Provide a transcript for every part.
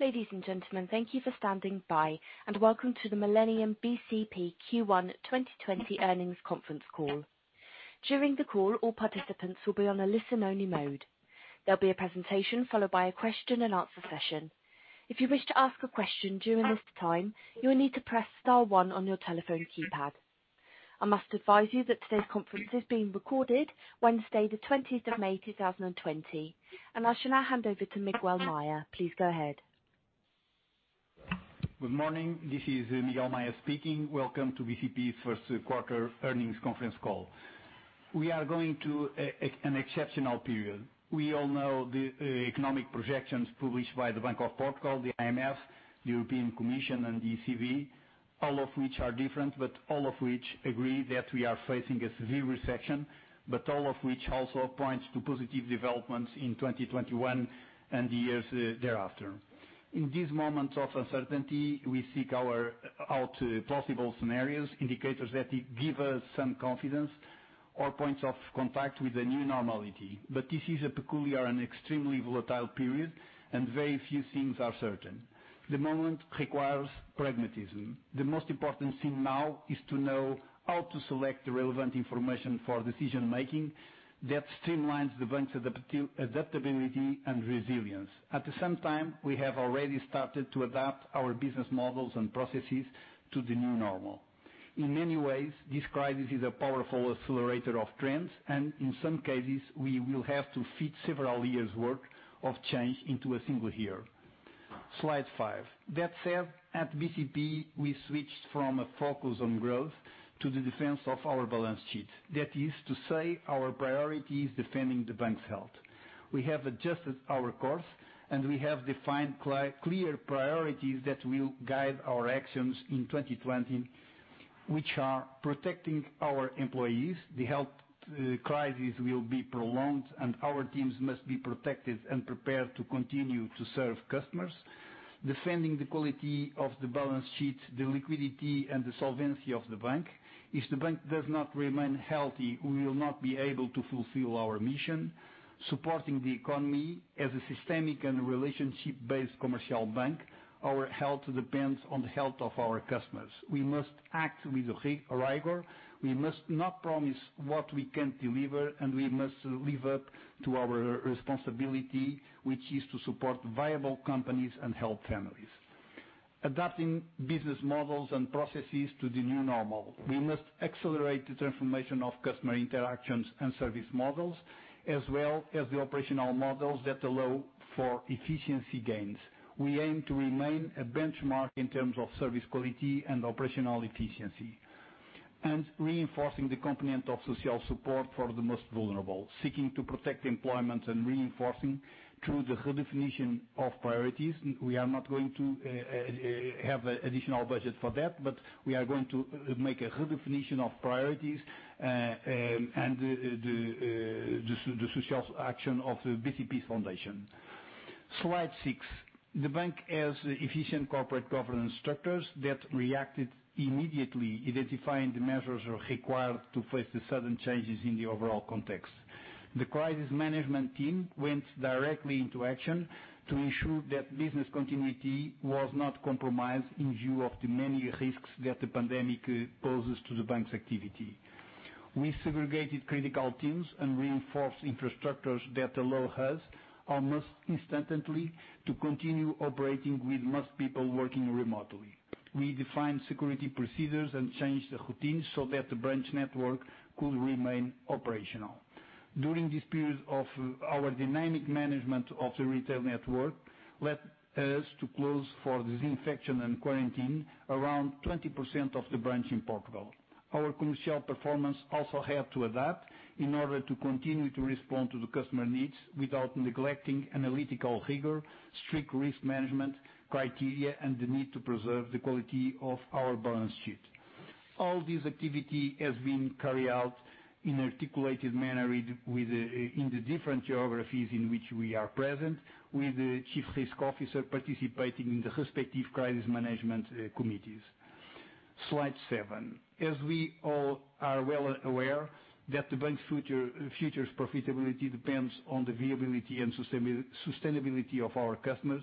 Ladies and gentlemen, thank you for standing by, and welcome to the Millennium BCP Q1 2020 earnings conference call. During the call, all participants will be on a listen-only mode. There'll be a presentation followed by a question and answer session. If you wish to ask a question during this time, you will need to press star one on your telephone keypad. I must advise you that today's conference is being recorded Wednesday, the 20th of May, 2020. I shall now hand over to Miguel Maya. Please go ahead. Good morning. This is Miguel Maya speaking. Welcome to BCP's first quarter earnings conference call. We are going through an exceptional period. We all know the economic projections published by the Banco de Portugal, the IMF, the European Commission, and the ECB, all of which are different, all of which agree that we are facing a severe recession, all of which also points to positive developments in 2021 and the years thereafter. In these moments of uncertainty, we seek out possible scenarios, indicators that give us some confidence or points of contact with the new normality. This is a peculiar and extremely volatile period, very few things are certain. The moment requires pragmatism. The most important thing now is to know how to select the relevant information for decision-making that streamlines the bank's adaptability and resilience. At the same time, we have already started to adapt our business models and processes to the new normal. In many ways, this crisis is a powerful accelerator of trends, and in some cases, we will have to fit several years' work of change into a single year. Slide five. That said, at bcp, we switched from a focus on growth to the defense of our balance sheet. That is to say our priority is defending the bank's health. We have adjusted our course, and we have defined clear priorities that will guide our actions in 2020, which are protecting our employees. The health crisis will be prolonged, and our teams must be protected and prepared to continue to serve customers. Defending the quality of the balance sheet, the liquidity, and the solvency of the bank. If the bank does not remain healthy, we will not be able to fulfill our mission. Supporting the economy as a systemic and relationship-based commercial bank, our health depends on the health of our customers. We must act with rigor. We must not promise what we can't deliver, and we must live up to our responsibility, which is to support viable companies and help families, adapting business models and processes to the new normal. We must accelerate the transformation of customer interactions and service models, as well as the operational models that allow for efficiency gains. We aim to remain a benchmark in terms of service quality and operational efficiency, reinforcing the component of social support for the most vulnerable, seeking to protect employment and reinforcing through the redefinition of priorities. We are not going to have additional budget for that, but we are going to make a redefinition of priorities, and the social action of the BCP Foundation. Slide six. The bank has efficient corporate governance structures that reacted immediately, identifying the measures required to face the sudden changes in the overall context. The crisis management team went directly into action to ensure that business continuity was not compromised in view of the many risks that the pandemic poses to the bank's activity. We segregated critical teams and reinforced infrastructures that allow us almost instantly to continue operating with most people working remotely. We defined security procedures and changed the routines so that the branch network could remain operational. During this period of our dynamic management of the retail network led us to close for disinfection and quarantine around 20% of the branches in Portugal. Our commercial performance also had to adapt in order to continue to respond to the customer needs without neglecting analytical rigor, strict risk management criteria, and the need to preserve the quality of our balance sheet. All this activity has been carried out in an articulated manner in the different geographies in which we are present, with the chief risk officer participating in the respective crisis management committees. Slide seven. As we all are well aware that the bank's future profitability depends on the viability and sustainability of our customers,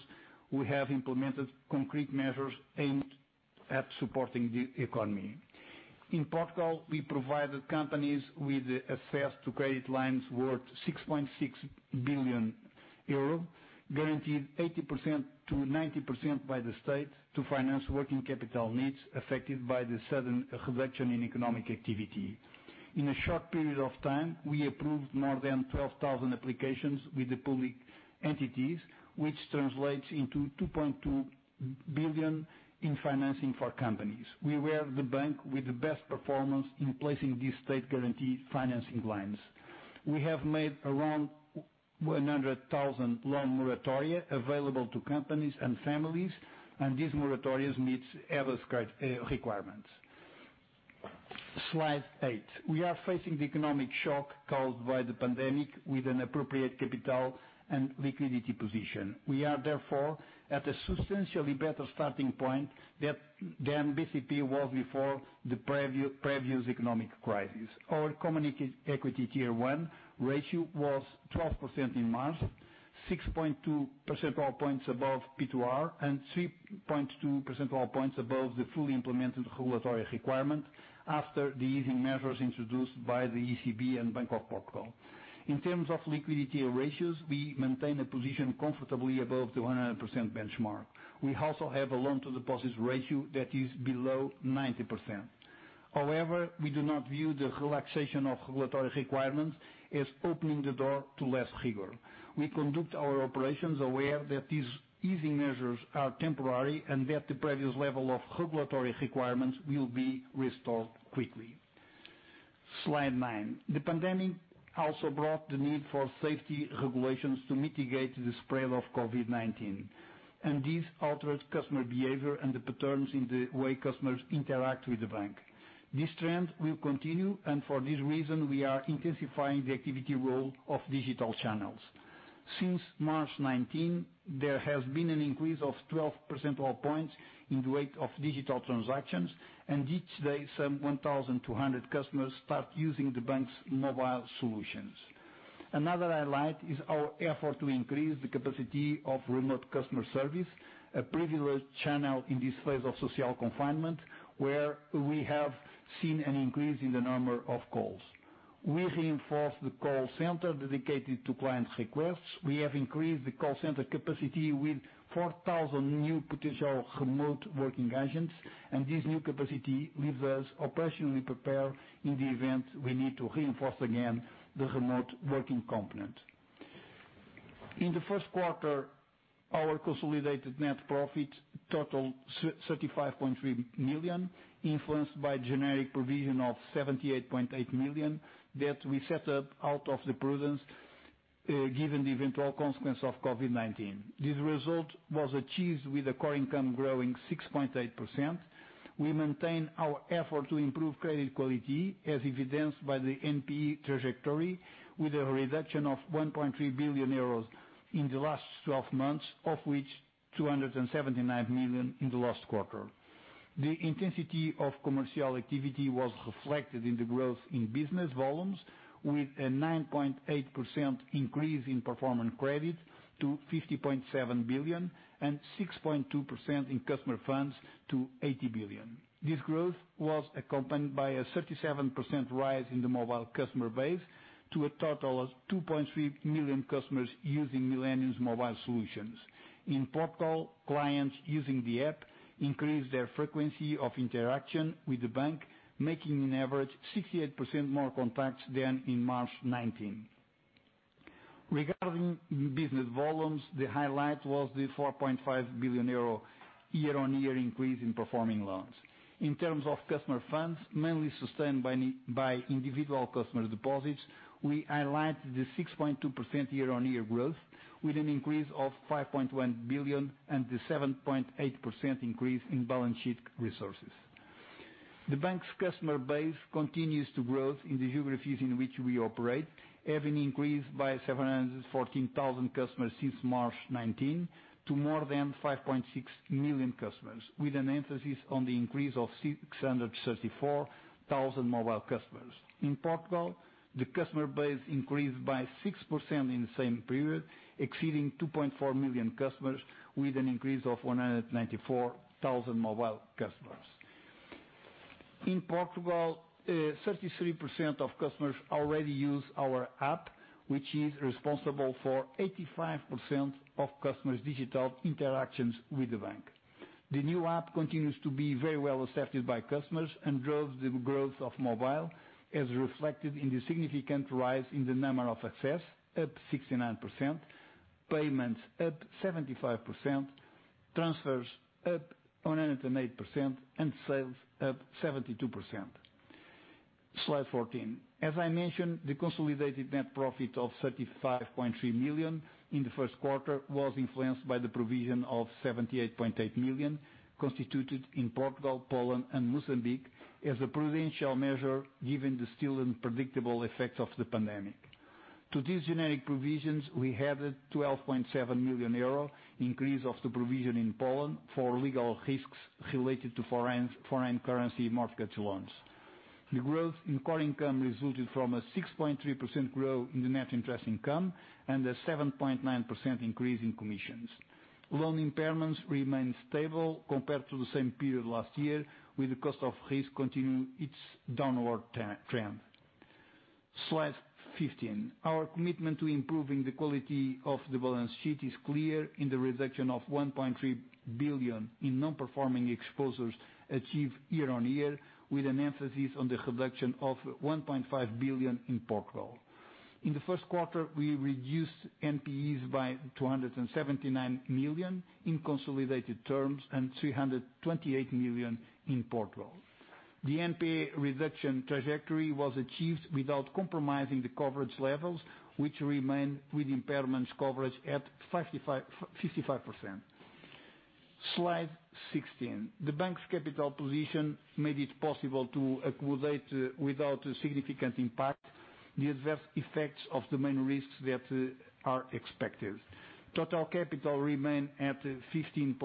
we have implemented concrete measures aimed at supporting the economy. In Portugal, we provided companies with access to credit lines worth 6.6 billion euro, guaranteed 80%-90% by the state to finance working capital needs affected by the sudden reduction in economic activity. In a short period of time, we approved more than 12,000 applications with the public entities, which translates into 2.2 billion in financing for companies. We were the bank with the best performance in placing these state-guaranteed financing lines. We have made around 100,000 loan moratoria available to companies and families. These moratoria meet EBA requirements. Slide eight. We are facing the economic shock caused by the pandemic with an appropriate capital and liquidity position. We are therefore at a substantially better starting point than BCP was before the previous economic crisis. Our Common Equity Tier 1 ratio was 12% in March, 6.2 percentage points above P2R and 3.2 percentage points above the fully implemented regulatory requirement after the easing measures introduced by the ECB and Banco de Portugal. In terms of liquidity ratios, we maintain a position comfortably above the 100% benchmark. We also have a loan to deposits ratio that is below 90%. However, we do not view the relaxation of regulatory requirements as opening the door to less rigor. We conduct our operations aware that these easing measures are temporary and that the previous level of regulatory requirements will be restored quickly. Slide nine. The pandemic also brought the need for safety regulations to mitigate the spread of COVID-19, and this altered customer behavior and the patterns in the way customers interact with the bank. This trend will continue, and for this reason, we are intensifying the activity role of digital channels. Since March 19, there has been an increase of 12 percentile points in the wake of digital transactions, and each day some 1,200 customers start using the bank's mobile solutions. Another highlight is our effort to increase the capacity of remote customer service, a privileged channel in this phase of social confinement, where we have seen an increase in the number of calls. We reinforced the call center dedicated to client requests. We have increased the call center capacity with 4,000 new potential remote working agents, and this new capacity leaves us operationally prepared in the event we need to reinforce again the remote working component. In the first quarter, our consolidated net profit totaled 35.3 million, influenced by generic provision of 78.8 million that we set up out of the prudence, given the eventual consequence of COVID-19. This result was achieved with the core income growing 6.8%. We maintain our effort to improve credit quality, as evidenced by the NPE trajectory, with a reduction of 1.3 billion euros in the last 12 months, of which 279 million in the last quarter. The intensity of commercial activity was reflected in the growth in business volumes with a 9.8% increase in performing credit to 50.7 billion and 6.2% in customer funds to 80 billion. This growth was accompanied by a 37% rise in the mobile customer base to a total of 2.3 million customers using Millennium's mobile solutions. In Portugal, clients using the app increased their frequency of interaction with the bank, making on average 68% more contacts than in March 2019. Regarding business volumes, the highlight was the 4.5 billion euro year-on-year increase in performing loans. In terms of customer funds, mainly sustained by individual customer deposits, we highlight the 6.2% year-on-year growth with an increase of 5.1 billion and the 7.8% increase in balance sheet resources. The bank's customer base continues to grow in the geographies in which we operate, having increased by 714,000 customers since March 2019 to more than 5.6 million customers, with an emphasis on the increase of 634,000 mobile customers. In Portugal, the customer base increased by 6% in the same period, exceeding 2.4 million customers with an increase of 194,000 mobile customers. In Portugal, 33% of customers already use our app, which is responsible for 85% of customers' digital interactions with the bank. The new app continues to be very well accepted by customers and drove the growth of mobile, as reflected in the significant rise in the number of access, up 69%, payments up 75%, transfers up 108%, and sales up 72%. Slide 14. As I mentioned, the consolidated net profit of €35.3 million in the first quarter was influenced by the provision of €78.8 million constituted in Portugal, Poland and Mozambique as a provisional measure given the still unpredictable effects of the pandemic. To these generic provisions, we added €12.7 million increase of the provision in Poland for legal risks related to foreign currency mortgage loans. The growth in core income resulted from a 6.3% growth in the net interest income and a 7.9% increase in commissions. Loan impairments remain stable compared to the same period last year, with the cost of risk continuing its downward trend. Slide 15. Our commitment to improving the quality of the balance sheet is clear in the reduction of 1.3 billion in non-performing exposures achieved year-over-year with an emphasis on the reduction of 1.5 billion in Portugal. In the first quarter, we reduced NPEs by 279 million in consolidated terms and 328 million in Portugal. The NPA reduction trajectory was achieved without compromising the coverage levels, which remain with impairments coverage at 55%. Slide 16. The bank's capital position made it possible to accumulate, without a significant impact, the adverse effects of the main risks that are expected. Total capital remained at 15.4%,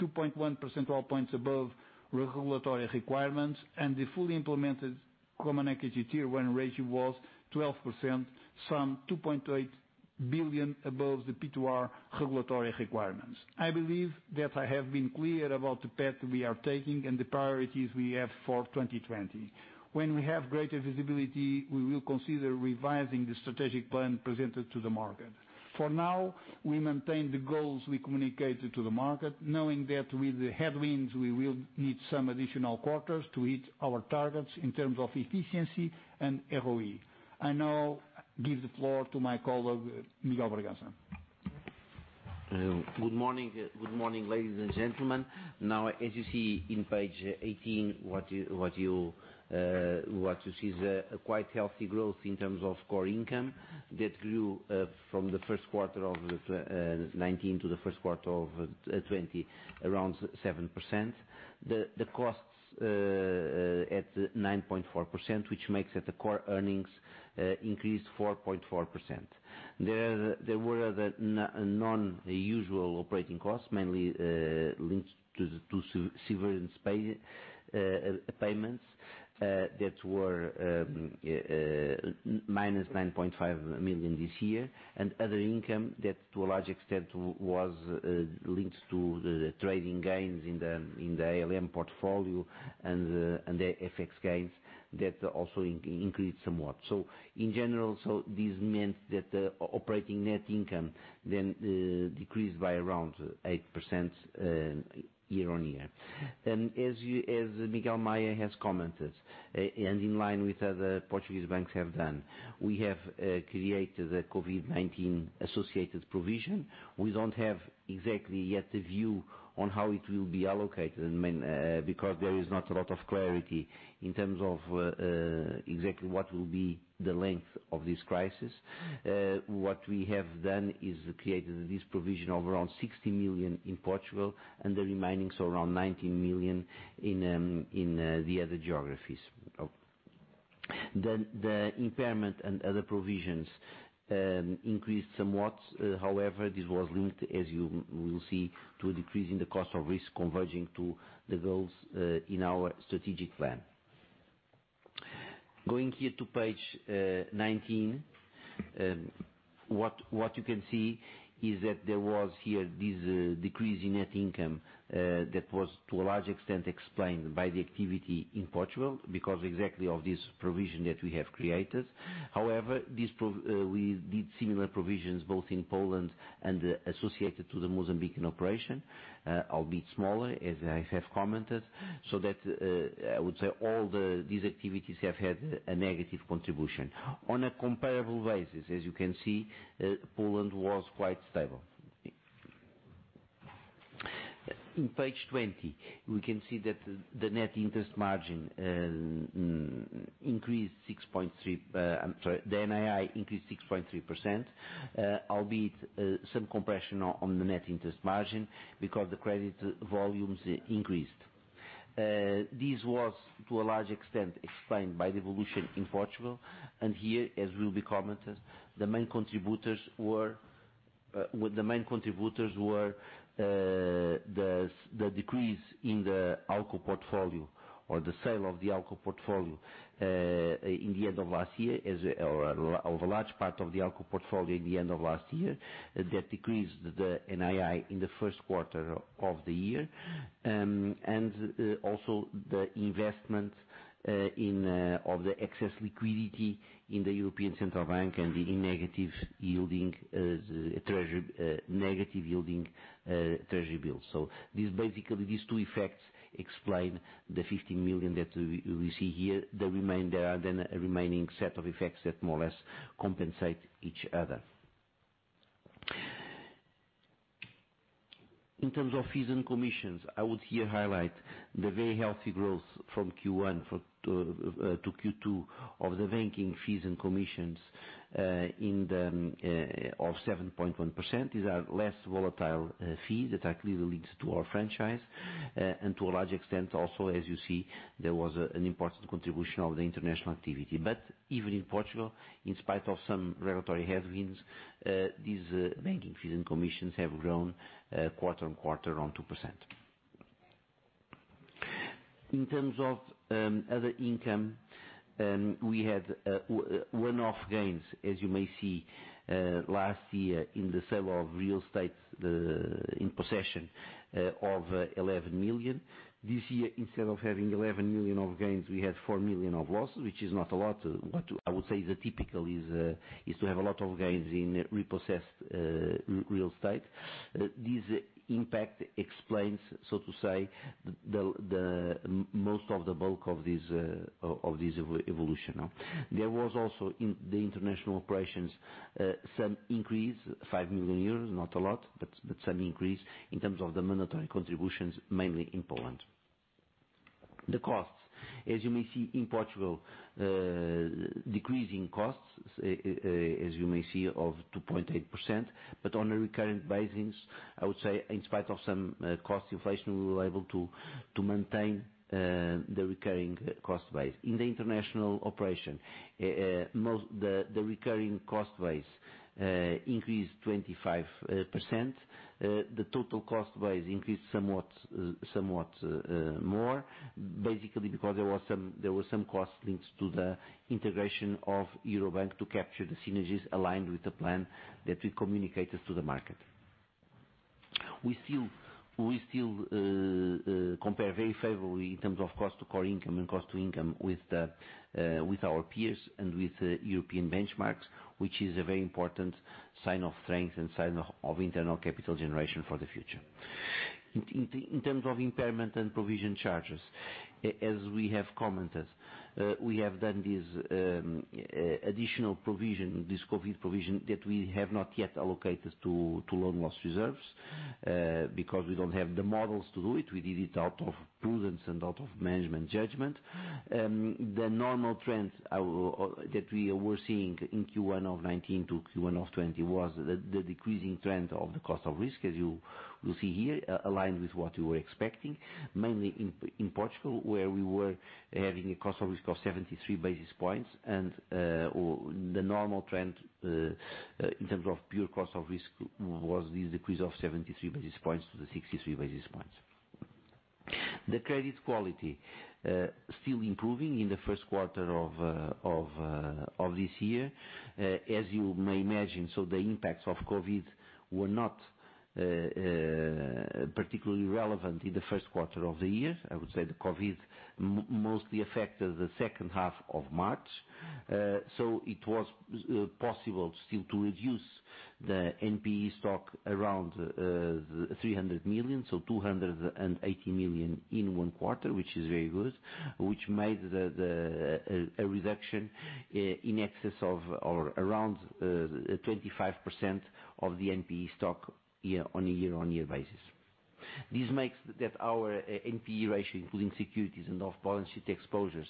2.1 percentage points above regulatory requirements, and the fully implemented Common Equity Tier 1 ratio was 12%, some 2.8 billion above the P2R regulatory requirements. I believe that I have been clear about the path we are taking and the priorities we have for 2020. When we have greater visibility, we will consider revising the strategic plan presented to the market. For now, we maintain the goals we communicated to the market, knowing that with the headwinds, we will need some additional quarters to hit our targets in terms of efficiency and ROE. I now give the floor to my colleague, Miguel Bragança. Good morning, ladies and gentlemen. As you see on page 18, what you see is a quite healthy growth in terms of core income that grew from the first quarter of 2019 to the first quarter of 2020, around 7%. The costs at 9.4%, which makes the core earnings increase 4.4%. There were non-usual operating costs, mainly linked to severance payments, that were minus 9.5 million this year, and other income that to a large extent was linked to the trading gains in the ALM portfolio and the FX gains that also increased somewhat. In general, this meant that the operating net income decreased by around 8% year-on-year. As Miguel Maya has commented, and in line with other Portuguese banks have done, we have created the COVID-19 associated provision. We don't have exactly yet a view on how it will be allocated because there is not a lot of clarity in terms of exactly what will be the length of this crisis. What we have done is created this provision of around 60 million in Portugal and the remaining, so around 19 million, in the other geographies. The impairment and other provisions increased somewhat. However, this was linked, as you will see, to a decrease in the cost of risk converging to the goals in our strategic plan. Going here to page 19. What you can see is that there was here this decrease in net income that was to a large extent explained by the activity in Portugal because exactly of this provision that we have created. However, we did similar provisions both in Poland and associated to the Mozambican operation, albeit smaller as I have commented. I would say all these activities have had a negative contribution. On a comparable basis, as you can see, Poland was quite stable. In page 20, we can see that, I'm sorry, the NII increased 6.3%, albeit some compression on the net interest margin because the credit volumes increased. This was to a large extent explained by the evolution in Portugal, as will be commented, the main contributors were the decrease in the ALCO portfolio or the sale of the ALCO portfolio in the end of last year, or of a large part of the ALCO portfolio at the end of last year. That decreased the NII in the first quarter of the year. Also the investments of the excess liquidity in the European Central Bank and the negative yielding treasury bills. Basically, these two effects explain the 15 million that we see here. There are a remaining set of effects that more or less compensate each other. In terms of fees and commissions, I would here highlight the very healthy growth from Q1 to Q1 of the banking fees and commissions of 7.1%. These are less volatile fees that actually lead to our franchise. To a large extent also, as you see, there was an important contribution of the international activity. Even in Portugal, in spite of some regulatory headwinds, these banking fees and commissions have grown quarter-on-quarter on 2%. In terms of other income, we had one-off gains, as you may see, last year in the sale of real estate in possession of 11 million. This year, instead of having 11 million of gains, we had 4 million of losses, which is not a lot. What I would say is typical is to have a lot of gains in repossessed real estate. This impact explains, so to say, most of the bulk of this evolution. There was also in the international operations, some increase, 5 million euros, not a lot, but some increase in terms of the monetary contributions, mainly in Poland. The costs, as you may see in Portugal, decreasing costs of 2.8%, but on a recurring basis, I would say in spite of some cost inflation, we were able to maintain the recurring cost base. In the international operation, the recurring cost base increased 25%. The total cost base increased somewhat more, basically because there were some cost links to the integration of Eurobank to capture the synergies aligned with the plan that we communicated to the market. We still compare very favorably in terms of cost to core income and cost to income with our peers and with European benchmarks, which is a very important sign of strength and sign of internal capital generation for the future. In terms of impairment and provision charges, as we have commented, we have done this additional provision, this COVID provision, that we have not yet allocated to loan loss reserves, because we don't have the models to do it. We did it out of prudence and out of management judgment. The normal trends that we were seeing in Q1 of 2019 to Q1 of 2020 was the decreasing trend of the cost of risk, as you will see here, aligned with what you were expecting, mainly in Portugal, where we were having a cost of risk of 73 basis points and the normal trend, in terms of pure cost of risk, was this decrease of 73 basis points to the 63 basis points. The credit quality still improving in the first quarter of this year. As you may imagine, the impacts of COVID were not particularly relevant in the first quarter of the year. I would say the COVID mostly affected the second half of March. It was possible still to reduce the NPE stock around 300 million, 280 million in one quarter, which is very good, which made a reduction in excess of or around 25% of the NPE stock on a year-on-year basis. This makes that our NPE ratio, including securities and off-balance-sheet exposures,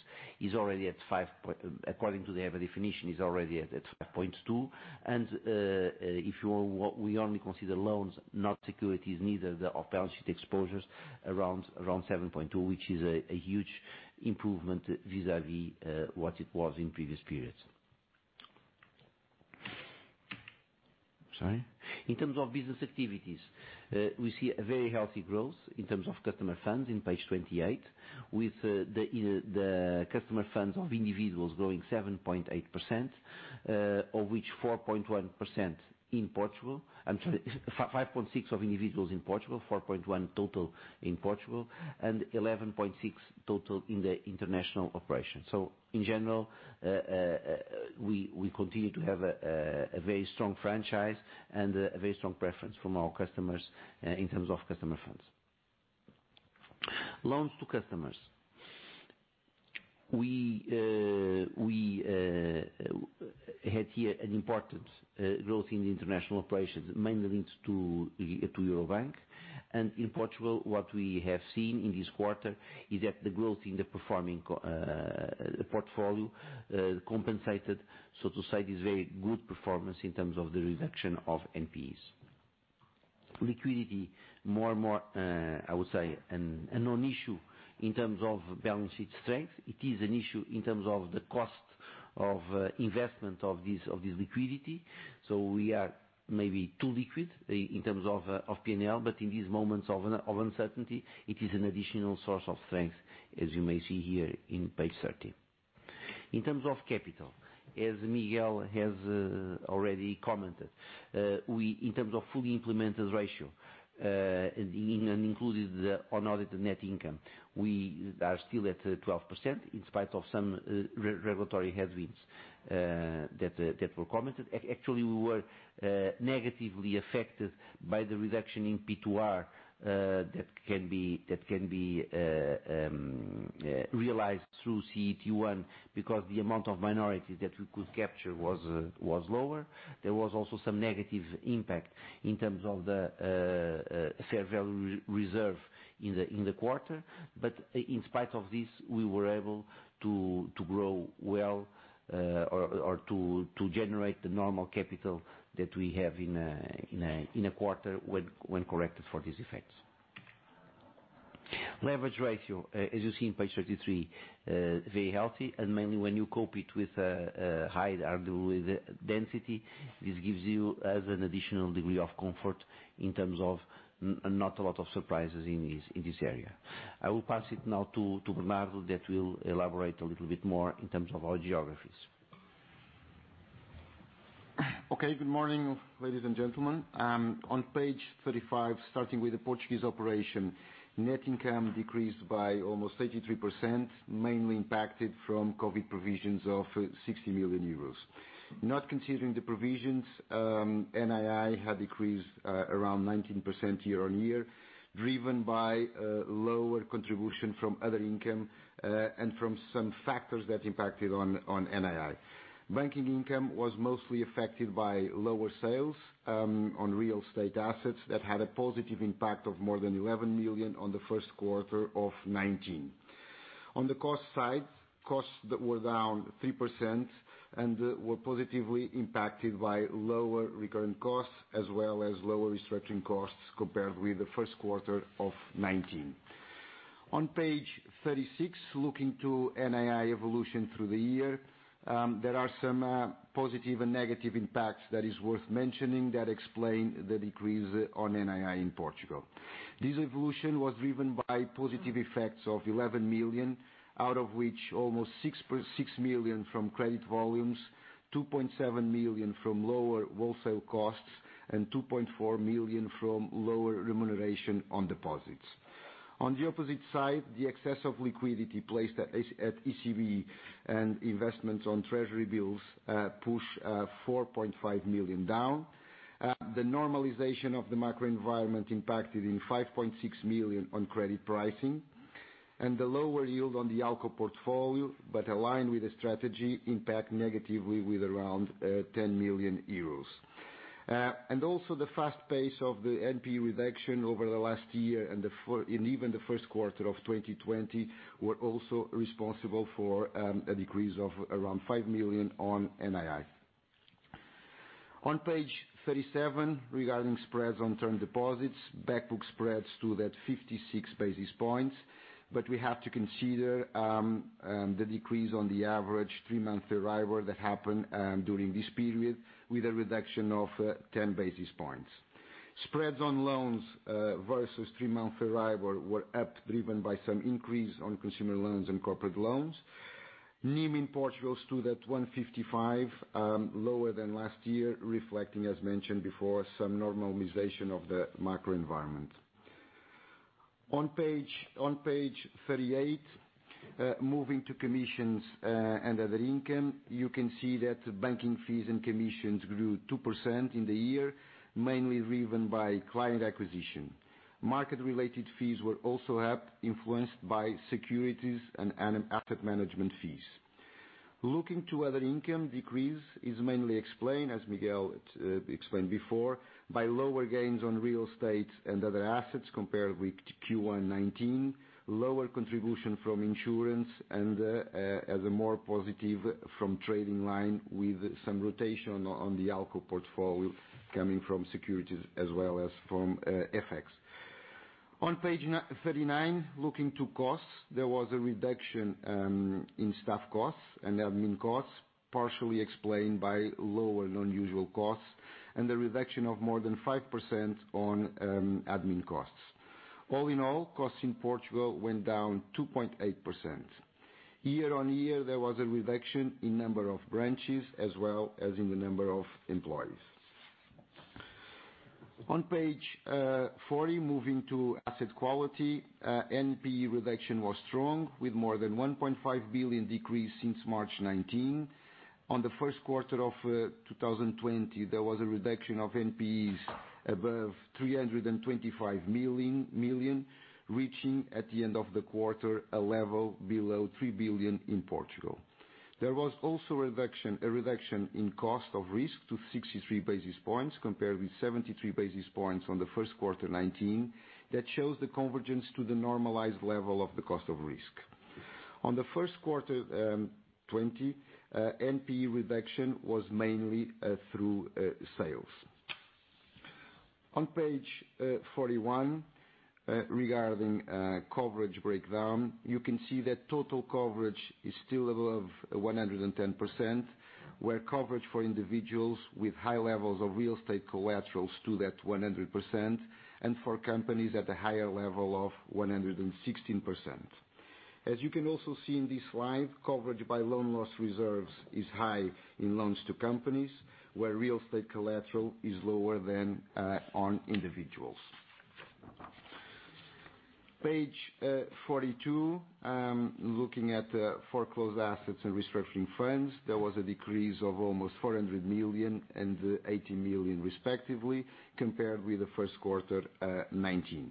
according to the EBA definition, is already at 5.2%. If you only consider loans, not securities, neither the off-balance-sheet exposures, around 7.2%, which is a huge improvement vis-à-vis what it was in previous periods. Sorry. In terms of business activities, we see a very healthy growth in terms of customer funds in page 28 with the customer funds of individuals growing 7.8%, of which 4.1% in Portugal. I'm sorry, 5.6% of individuals in Portugal, 4.1% total in Portugal, and 11.6% total in the international operation. In general, we continue to have a very strong franchise and a very strong preference from our customers in terms of customer funds. Loans to customers. We had here an important growth in the international operations, mainly linked to Eurobank. In Portugal, what we have seen in this quarter is that the growth in the performing portfolio compensated, so to say, this very good performance in terms of the reduction of NPEs. Liquidity, more and more, I would say, a non-issue in terms of balance sheet strength. It is an issue in terms of the cost of investment of this liquidity. We are maybe too liquid in terms of P&L, but in these moments of uncertainty, it is an additional source of strength, as you may see here on page 30. In terms of capital, as Miguel has already commented, in terms of fully implemented ratio, and included the audited net income, we are still at 12% in spite of some regulatory headwinds that were commented. Actually, we were negatively affected by the reduction in P2R that can be realized through CET1 because the amount of minorities that we could capture was lower. There was also some negative impact in terms of the fair value reserve in the quarter. In spite of this, we were able to grow well or to generate the normal capital that we have in a quarter when corrected for these effects. Leverage ratio, as you see on page 33, very healthy, and mainly when you couple it with a high RWA density, this gives you as an additional degree of comfort in terms of not a lot of surprises in this area. I will pass it now to Bernardo, who will elaborate a little bit more in terms of our geographies. Okay. Good morning, ladies and gentlemen. On page 35, starting with the Portuguese operation, net income decreased by almost 33%, mainly impacted from COVID provisions of 60 million euros. Not considering the provisions, NII had decreased around 19% year-on-year, driven by lower contribution from other income and from some factors that impacted on NII. Banking income was mostly affected by lower sales on real estate assets that had a positive impact of more than 11 million on the first quarter of 2019. On the cost side, costs that were down 3% and were positively impacted by lower recurring costs, as well as lower restructuring costs compared with the first quarter of 2019. On page 36, looking to NII evolution through the year, there are some positive and negative impacts that is worth mentioning that explain the decrease on NII in Portugal. This evolution was driven by positive effects of 11 million, out of which almost 6 million from credit volumes, 2.7 million from lower wholesale costs, and 2.4 million from lower remuneration on deposits. On the opposite side, the excess of liquidity placed at ECB and investments on treasury bills push 4.5 million down. The normalization of the macroenvironment impacted in 5.6 million on credit pricing, and the lower yield on the ALCO portfolio, but aligned with the strategy, impact negatively with around 10 million euros. The fast pace of the NPE reduction over the last year and even the first quarter of 2020, were also responsible for a decrease of around 5 million on NII. On page 37, regarding spreads on term deposits, back book spreads stood at 56 basis points, but we have to consider the decrease on the average three-month EURIBOR that happened during this period with a reduction of 10 basis points. Spreads on loans versus three-month EURIBOR were up, driven by some increase on consumer loans and corporate loans. NIM in Portugal stood at 155, lower than last year, reflecting, as mentioned before, some normalization of the macroenvironment. On page 38, moving to commissions and other income, you can see that banking fees and commissions grew 2% in the year, mainly driven by client acquisition. Market-related fees were also up, influenced by securities and asset management fees. Looking to other income, decrease is mainly explained, as Miguel Maya explained before, by lower gains on real estate and other assets compared with Q1 2019, lower contribution from insurance, and as a more positive from trading line with some rotation on the ALCO portfolio coming from securities as well as from FX. On page 39, looking to costs, there was a reduction in staff costs and admin costs, partially explained by lower than usual costs and the reduction of more than 5% on admin costs. All in all, costs in Portugal went down 2.8%. Year-on-year, there was a reduction in number of branches as well as in the number of employees. On page 40, moving to asset quality, NPE reduction was strong with more than 1.5 billion decrease since March 2019. On the first quarter of 2020, there was a reduction of NPEs above 325 million, reaching, at the end of the quarter, a level below 3 billion in Portugal. There was also a reduction in cost of risk to 63 basis points compared with 73 basis points on the first quarter 2019. That shows the convergence to the normalized level of the cost of risk. On the first quarter 2020, NPE reduction was mainly through sales. On page 41, regarding coverage breakdown, you can see that total coverage is still above 110%, where coverage for individuals with high levels of real estate collateral stood at 100%, and for companies at the higher level of 116%. As you can also see in this slide, coverage by loan loss reserves is high in loans to companies, where real estate collateral is lower than on individuals. Page 42, looking at foreclosed assets and restructuring funds, there was a decrease of almost 400 million and 18 million respectively, compared with the first quarter 2019.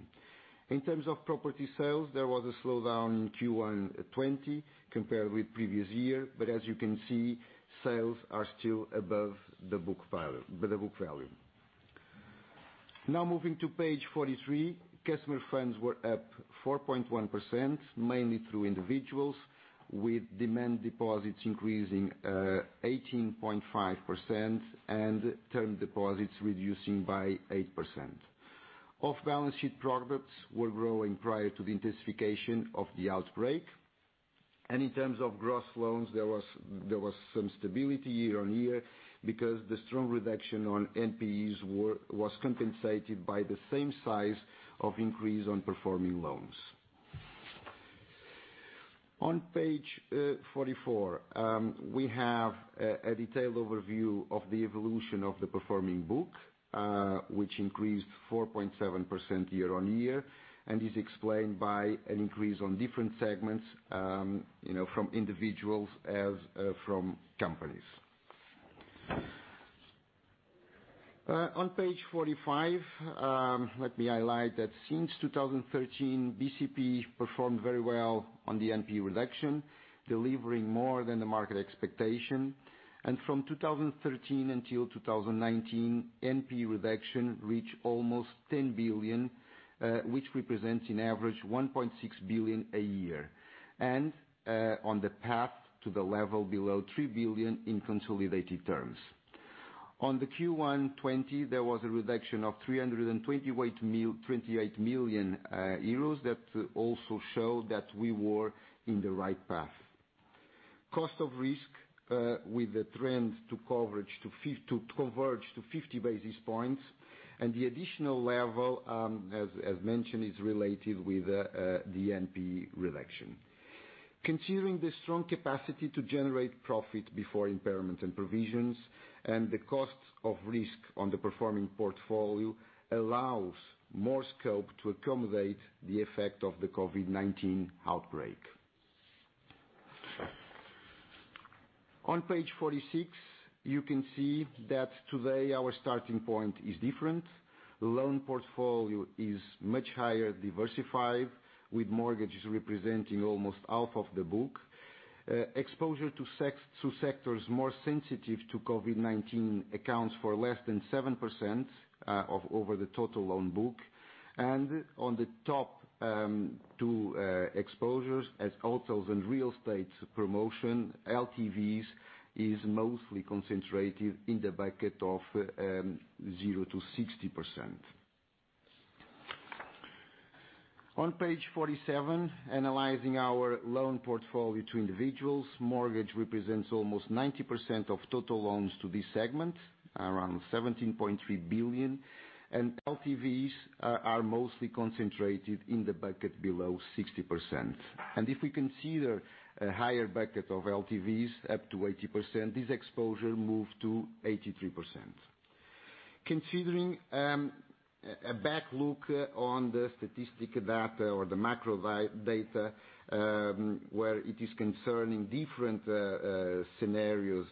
In terms of property sales, there was a slowdown in Q1 2020 compared with the previous year, as you can see, sales are still above the book value. Now moving to page 43, customer funds were up 4.1%, mainly through individuals, with demand deposits increasing 18.5% and term deposits reducing by 8%. Off-balance sheet products were growing prior to the intensification of the outbreak. In terms of gross loans, there was some stability year on year because the strong reduction on NPEs was compensated by the same size of increase on performing loans. On page 44, we have a detailed overview of the evolution of the performing book, which increased 4.7% year-on-year and is explained by an increase on different segments from individuals as from companies. On page 45, let me highlight that since 2013, BCP performed very well on the NPE reduction, delivering more than the market expectation. From 2013 until 2019, NPE reduction reached almost 10 billion, which represents, on average, 1.6 billion a year, on the path to the level below 3 billion in consolidated terms. On Q1 2020, there was a reduction of 328 million euros that also showed that we were on the right path. cost of risk, with the trend to converge to 50 basis points and the additional level, as mentioned, is related with the NPE reduction. Considering the strong capacity to generate profit before impairment and provisions, and the cost of risk on the performing portfolio allows more scope to accommodate the effect of the COVID-19 outbreak. On page 46, you can see that today our starting point is different. Loan portfolio is much higher diversified, with mortgages representing almost half of the book. Exposure to sectors more sensitive to COVID-19 accounts for less than 7% of over the total loan book. On the top two exposures as hotels and real estate promotion, LTVs is mostly concentrated in the bucket of 0 to 60%. On page 47, analyzing our loan portfolio to individuals, mortgage represents almost 90% of total loans to this segment, around 17.3 billion, LTVs are mostly concentrated in the bucket below 60%. If we consider a higher bucket of LTVs up to 80%, this exposure move to 83%. Considering a back look on the statistic data or the macro data, where it is concerning different scenarios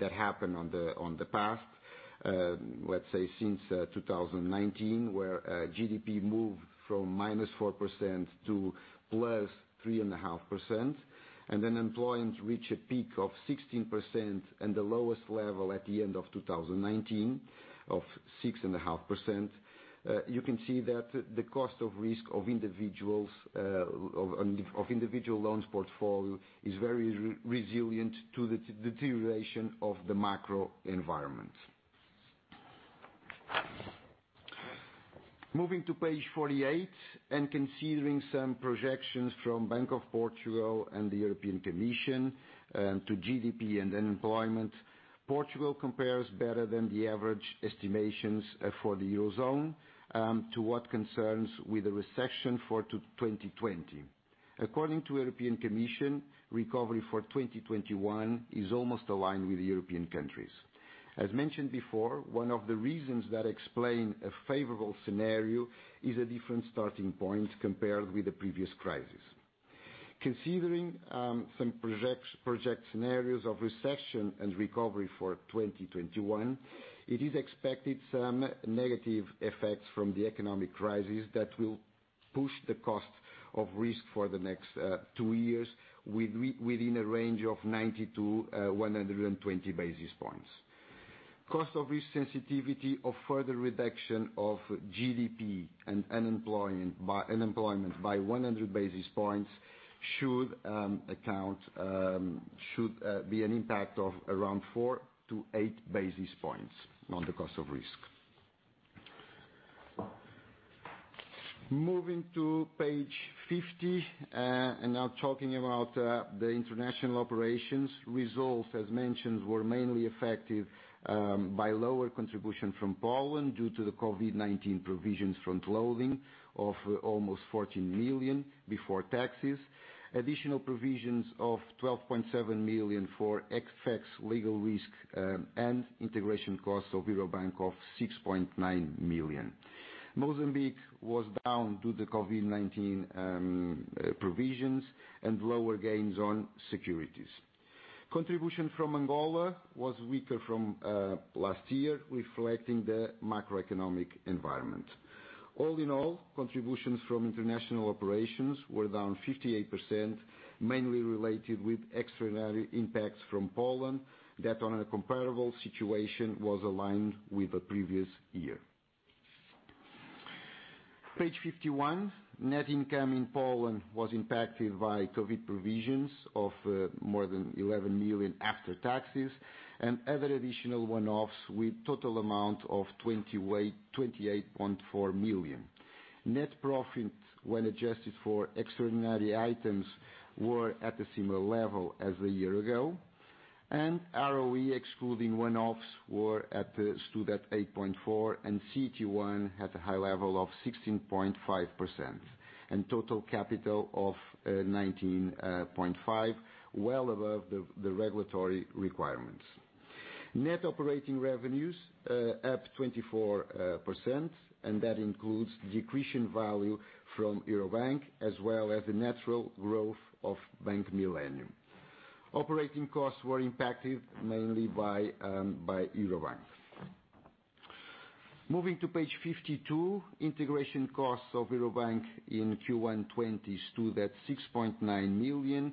that happen on the past, let's say since 2019, where GDP moved from -4% to +3.5%, and unemployment reach a peak of 16% and the lowest level at the end of 2019 of 6.5%. You can see that the cost of risk of individual loans portfolio is very resilient to the deterioration of the macro environment. Moving to page 48 and considering some projections from Banco de Portugal and the European Commission, to GDP and unemployment, Portugal compares better than the average estimations for the Eurozone, to what concerns with the recession for 2020. According to European Commission, recovery for 2021 is almost aligned with the European countries. As mentioned before, one of the reasons that explain a favorable scenario is a different starting point compared with the previous crisis. Considering some project scenarios of recession and recovery for 2021, it is expected some negative effects from the economic crisis that will push the cost of risk for the next two years within a range of 90-120 basis points. Cost of risk sensitivity of further reduction of GDP and unemployment by 100 basis points should be an impact of around 4-8 basis points on the cost of risk. Moving to page 50, now talking about the international operations. Results, as mentioned, were mainly affected by lower contribution from Poland due to the COVID-19 provisions front loading of almost 14 million before taxes, additional provisions of 12.7 million for FX legal risk, and integration costs of Eurobank of 6.9 million. Mozambique was down due to COVID-19 provisions and lower gains on securities. Contribution from Angola was weaker from last year, reflecting the macroeconomic environment. All in all, contributions from international operations were down 58%, mainly related with extraordinary impacts from Poland, that on a comparable situation was aligned with the previous year. Page 51. Net income in Poland was impacted by COVID provisions of more than 11 million after taxes and other additional one-offs with total amount of 28.4 million. Net profit, when adjusted for extraordinary items, were at the similar level as a year ago. ROE excluding one-offs stood at 8.4% and CET1 at a high level of 16.5%. Total capital of 19.5%, well above the regulatory requirements. Net operating revenues up 24%, and that includes decreasing value from Eurobank as well as the natural growth of Bank Millennium. Operating costs were impacted mainly by Eurobank. Moving to page 52, integration costs of Eurobank in Q1 2020 stood at 6.9 million.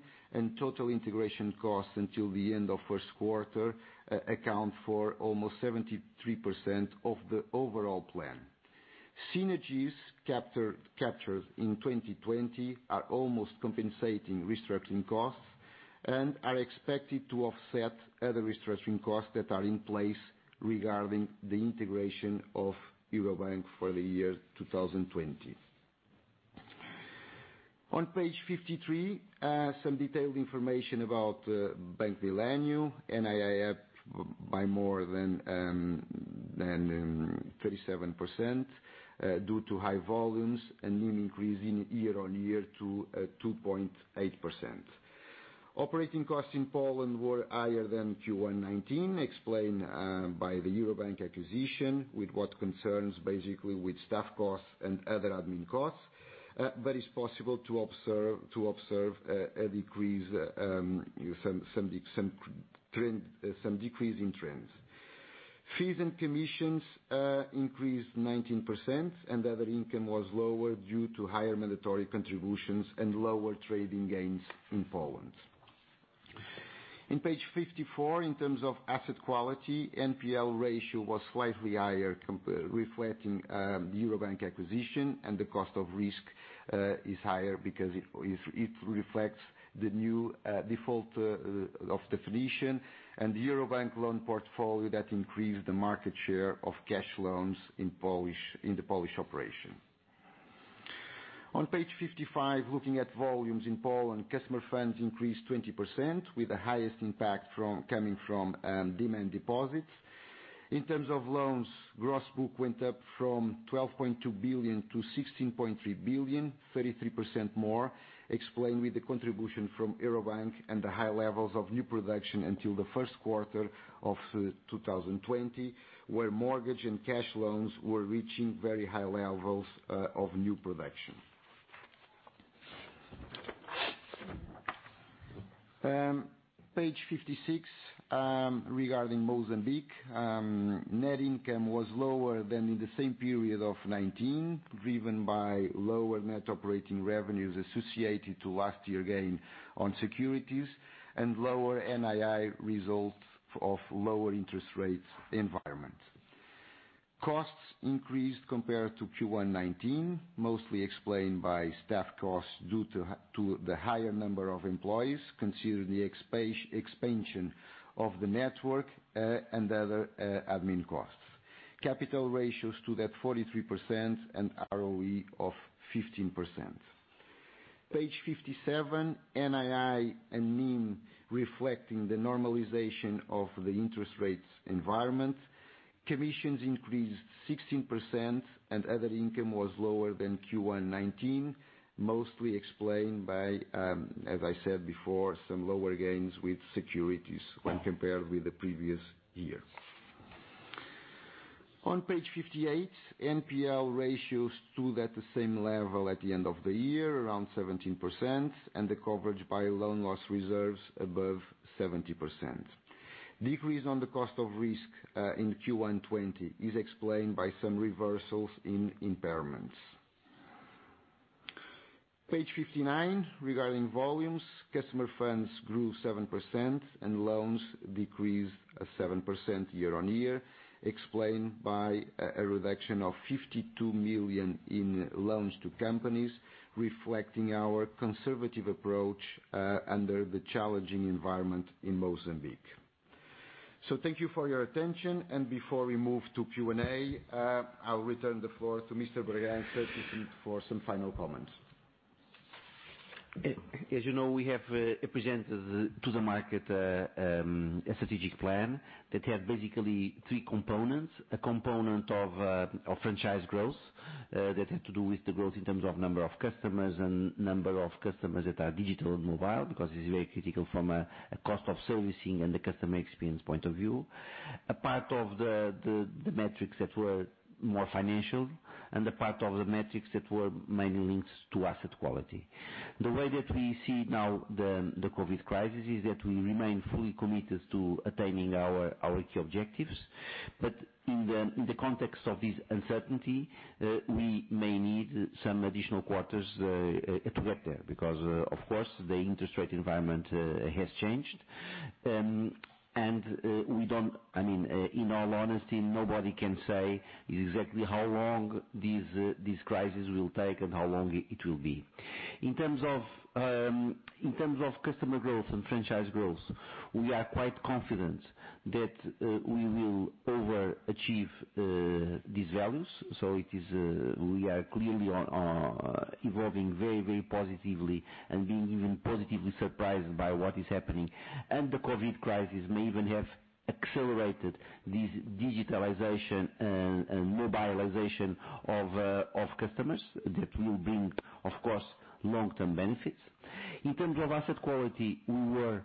Total integration costs until the end of first quarter account for almost 73% of the overall plan. Synergies captured in 2020 are almost compensating restructuring costs and are expected to offset other restructuring costs that are in place regarding the integration of Eurobank for the year 2020. On page 53, some detailed information about Bank Millennium. NII up by more than 37% due to high volumes and NIM increasing year-on-year to 2.8%. Operating costs in Poland were higher than Q1 2019, explained by the Eurobank acquisition with what concerns basically staff costs and other admin costs. It's possible to observe some decrease in trends. Fees and commissions increased 19%. Other income was lower due to higher mandatory contributions and lower trading gains in Poland. In page 54, in terms of asset quality, NPL ratio was slightly higher reflecting the Eurobank acquisition and the cost of risk is higher because it reflects the new definition of default and the Eurobank loan portfolio that increased the market share of cash loans in the Polish operation. On page 55, looking at volumes in Poland, customer funds increased 20% with the highest impact coming from demand deposits. In terms of loans, gross book went up from 12.2 billion to 16.3 billion, 33% more, explained with the contribution from Eurobank and the high levels of new production until the first quarter of 2020, where mortgage and cash loans were reaching very high levels of new production. Page 56, regarding Mozambique, net income was lower than in the same period of 2019, driven by lower net operating revenues associated to last year gain on securities and lower NII results of lower interest rates environment. Costs increased compared to Q1 2019, mostly explained by staff costs due to the higher number of employees, considering the expansion of the network, and other admin costs. Capital ratios stood at 43% and ROE of 15%. Page 57, NII and NIM reflecting the normalization of the interest rates environment. Commissions increased 16% and other income was lower than Q1 2019, mostly explained by, as I said before, some lower gains with securities when compared with the previous year. On page 58, NPL ratios stood at the same level at the end of the year, around 17%, and the coverage by loan loss reserves above 70%. Decrease on the cost of risk, in Q1 2020, is explained by some reversals in impairments. Page 59, regarding volumes, customer funds grew 7% and loans decreased 7% year-over-year, explained by a reduction of 52 million in loans to companies, reflecting our conservative approach under the challenging environment in Mozambique. Thank you for your attention and before we move to Q&A, I'll return the floor to Mr. Bragança for some final comments. As you know, we have presented to the market a strategic plan that had basically three components. A component of franchise growth, that had to do with the growth in terms of number of customers and number of customers that are digital and mobile, because it's very critical from a cost of servicing and the customer experience point of view. A part of the metrics that were more financial and a part of the metrics that were mainly linked to asset quality. The way that we see now the COVID-19 crisis is that we remain fully committed to attaining our key objectives. In the context of this uncertainty, we may need some additional quarters to get there because, of course, the interest rate environment has changed. In all honesty, nobody can say exactly how long this crisis will take and how long it will be. In terms of customer growth and franchise growth, we are quite confident that we will overachieve these values. We are clearly evolving very positively and being even positively surprised by what is happening. The COVID crisis may even have accelerated this digitalization and mobilization of customers that will bring, of course, long-term benefits. In terms of asset quality, we were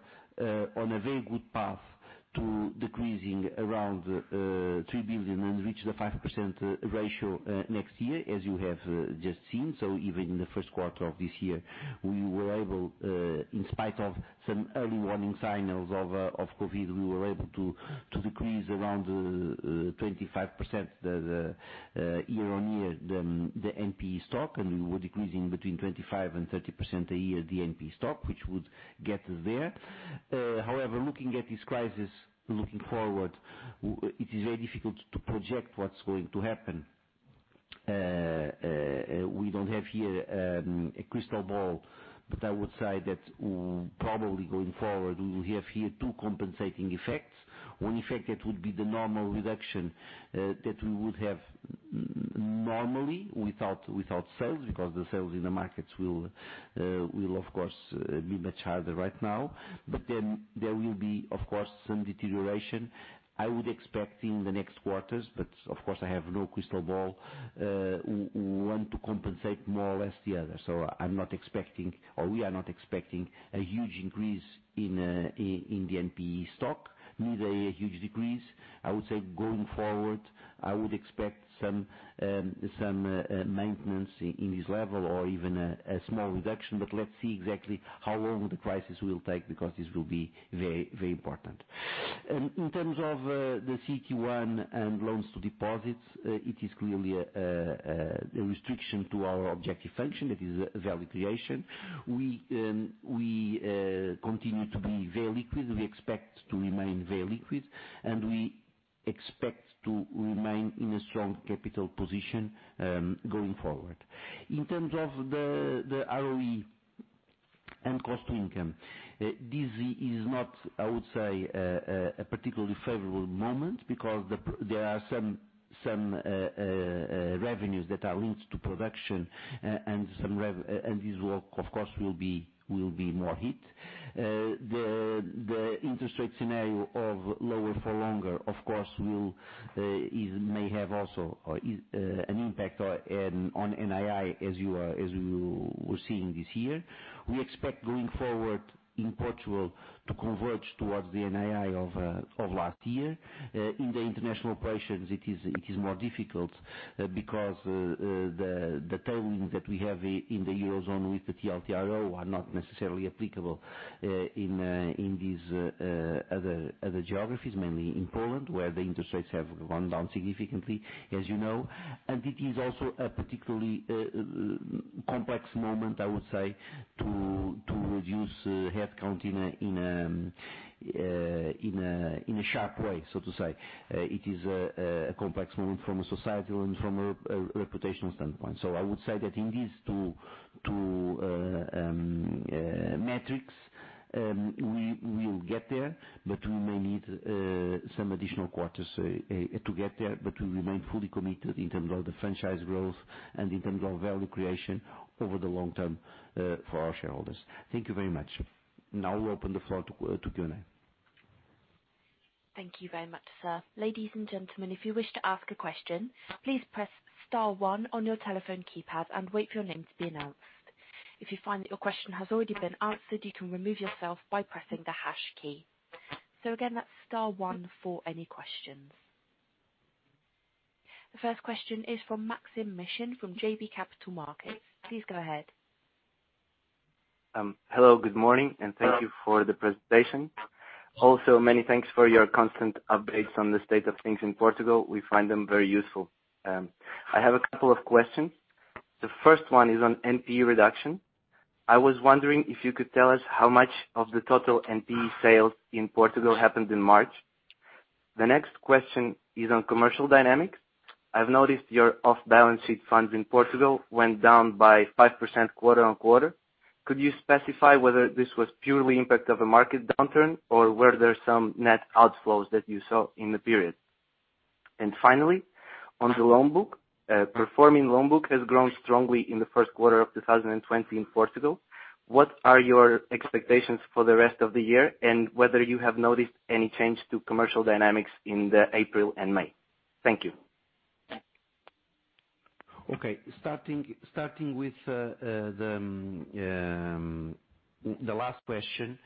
on a very good path to decreasing around 3 billion and reach the 5% ratio next year, as you have just seen. Even in the first quarter of this year, in spite of some early warning signs of COVID, we were able to decrease around 25% the year-over-year NPE stock, and we were decreasing between 25% and 30% a year, the NPE stock, which would get there. However, looking at this crisis, looking forward, it is very difficult to project what's going to happen. We don't have here a crystal ball, but I would say that probably going forward, we will have here two compensating effects. One effect that would be the normal reduction that we would have normally without sales, because the sales in the markets will of course be much harder right now. Then there will be, of course, some deterioration. I would expect in the next quarters, but of course I have no crystal ball, one to compensate more or less the other. I'm not expecting, or we are not expecting, a huge increase in the NPE stock, neither a huge decrease. I would say going forward, I would expect some maintenance in this level or even a small reduction. Let's see exactly how long the crisis will take, because this will be very important. In terms of the CET1 loans to deposits, it is clearly a restriction to our objective function, that is value creation. We continue to be very liquid, we expect to remain very liquid, and we expect to remain in a strong capital position, going forward. In terms of the ROE and cost income, this is not, I would say, a particularly favorable moment because there are some revenues that are linked to production and these will, of course, be more hit. The interest rate scenario of lower for longer, of course, may have also an impact on NII as you were seeing this year. We expect going forward in Portugal to converge towards the NII of last year. In the international operations, it is more difficult because the term that we have in the Eurozone with the TLTRO are not necessarily applicable in these other geographies, mainly in Poland, where the interest rates have gone down significantly, as you know. It is also a particularly complex moment, I would say, to reduce headcount in a sharp way, so to say. It is a complex moment from a societal and from a reputational standpoint. I would say that in these two metrics, we will get there, but we may need some additional quarters to get there, but we remain fully committed in terms of the franchise growth and in terms of value creation over the long term for our shareholders. Thank you very much. Now we open the floor to Q&A. Thank you very much, sir. Ladies and gentlemen, if you wish to ask a question, please press star one on your telephone keypad and wait for your name to be announced. If you find that your question has already been answered, you can remove yourself by pressing the hash key. Again, that's star one for any questions. The first question is from Maksym Mishyn from J.P. Capital Markets. Please go ahead. Hello, good morning. Thank you for the presentation. Many thanks for your constant updates on the state of things in Portugal. We find them very useful. I have a couple of questions. The first one is on NPE reduction. I was wondering if you could tell us how much of the total NPE sales in Portugal happened in March. The next question is on commercial dynamics. I've noticed your off-balance sheet funds in Portugal went down by 5% quarter-on-quarter. Could you specify whether this was purely impact of a market downturn or were there some net outflows that you saw in the period? Finally, on the loan book, performing loan book has grown strongly in the first quarter of 2020 in Portugal. What are your expectations for the rest of the year, and whether you have noticed any change to commercial dynamics in the April and May? Thank you. Okay. Starting with the last question,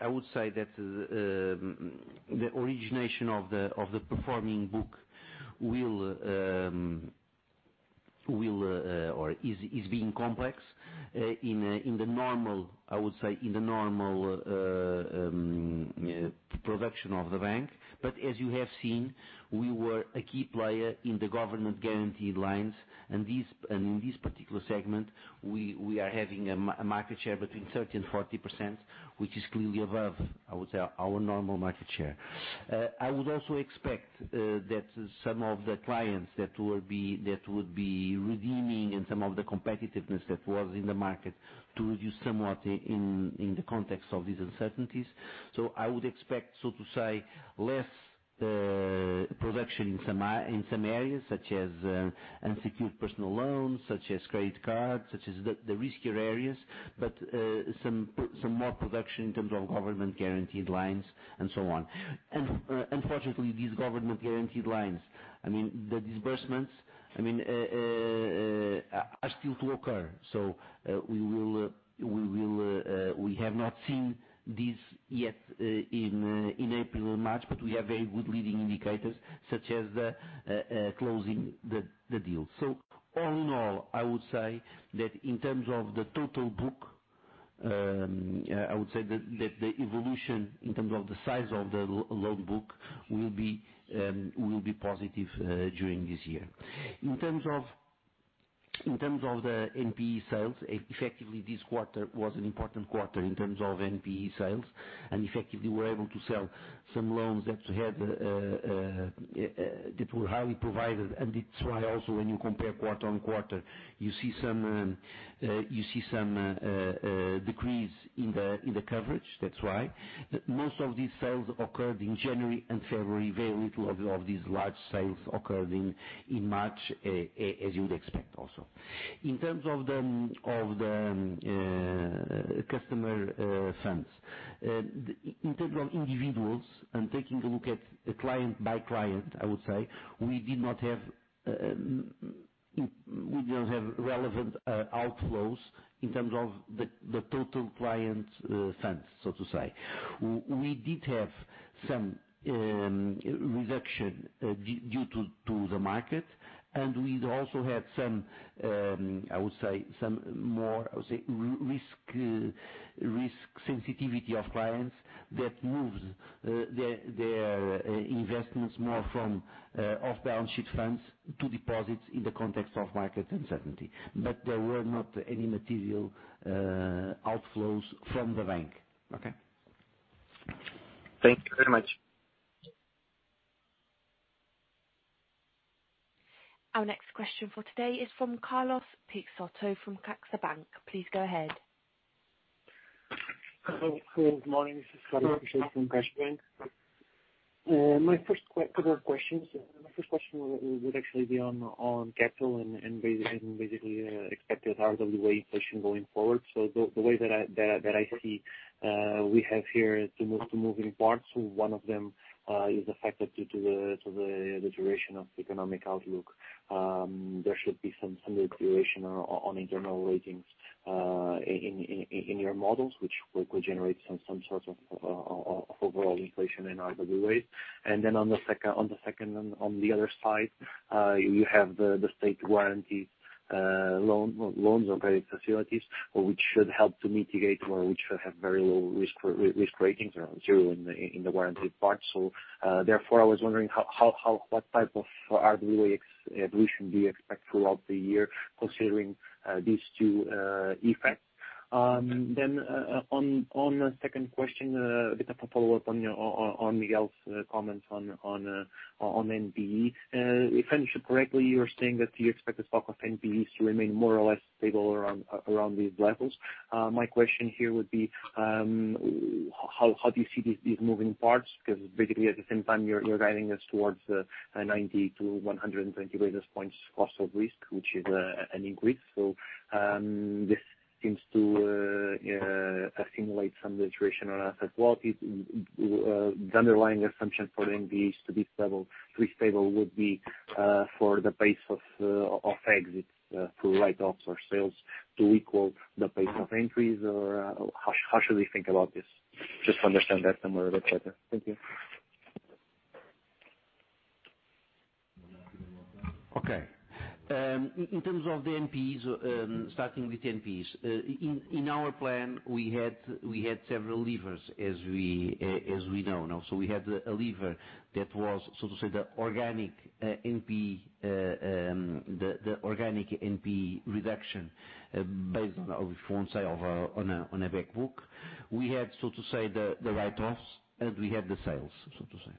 I would say that the origination of the performing book is being complex in the normal production of the bank. As you have seen, we were a key player in the government guaranteed lines. In this particular segment, we are having a market share between 30% and 40%, which is clearly above, I would say, our normal market share. I would also expect that some of the clients that would be redeeming and some of the competitiveness that was in the market to reduce somewhat in the context of these uncertainties. I would expect, so to say, less production in some areas such as unsecured personal loans, such as credit cards, such as the riskier areas, but some more production in terms of government guaranteed lines and so on. Unfortunately, these government guaranteed lines, the disbursements are still to occur. We have not seen this yet in April or March, but we have very good leading indicators, such as closing the deal. All in all, I would say that in terms of the total book, the evolution in terms of the size of the loan book will be positive during this year. In terms of the NPE sales, effectively, this quarter was an important quarter in terms of NPE sales. Effectively, we were able to sell some loans that were highly provided, and that's why also when you compare quarter-on-quarter, you see some decrease in the coverage. That's why. Most of these sales occurred in January and February. Very little of these large sales occurred in March, as you would expect also. In terms of the customer funds. In terms of individuals, taking a look at client by client, I would say, we didn't have relevant outflows in terms of the total client funds, so to say. We did have some reduction due to the market, we'd also had some, I would say, risk sensitivity of clients that moved their investments more from off-balance sheet funds to deposits in the context of market uncertainty. There were not any material outflows from the bank. Okay? Thank you very much. Our next question for today is from Carlos Peixoto from CaixaBank. Please go ahead. Hello. Good morning. This is Carlos Peixoto from CaixaBank. Two more questions. My first question would actually be on capital and basically expected RWA inflation going forward. The way that I see we have here is two moving parts. One of them is affected due to the duration of the economic outlook. There should be some deterioration on internal ratings in your models, which could generate some sort of overall inflation in RWAs. On the second, on the other side, you have the state warranty loans or credit facilities, which should help to mitigate or which should have very low risk ratings around zero in the warranty part. Therefore, I was wondering what type of RWA evolution do you expect throughout the year considering these two effects. On the second question, a bit of a follow-up on Miguel's comments on NPE. If I understood correctly, you are saying that you expect the stock of NPE to remain more or less stable around these levels. My question here would be, how do you see these moving parts? Basically, at the same time, you're guiding us towards the 90-120 basis points cost of risk, which is an increase. This seems to assimilate some deterioration on asset quality. The underlying assumption for the NPE is to be stable would be for the pace of exits through write-offs or sales to equal the pace of entries, or how should we think about this? Just to understand that somewhere a bit better. Thank you. Okay. In terms of the NPEs, starting with NPEs. In our plan, we had several levers, as we know. We had a lever that was, so to say, the organic NPE reduction based on, if you want to say, on a back book. We had, so to say, the write-offs, and we had the sales, so to say.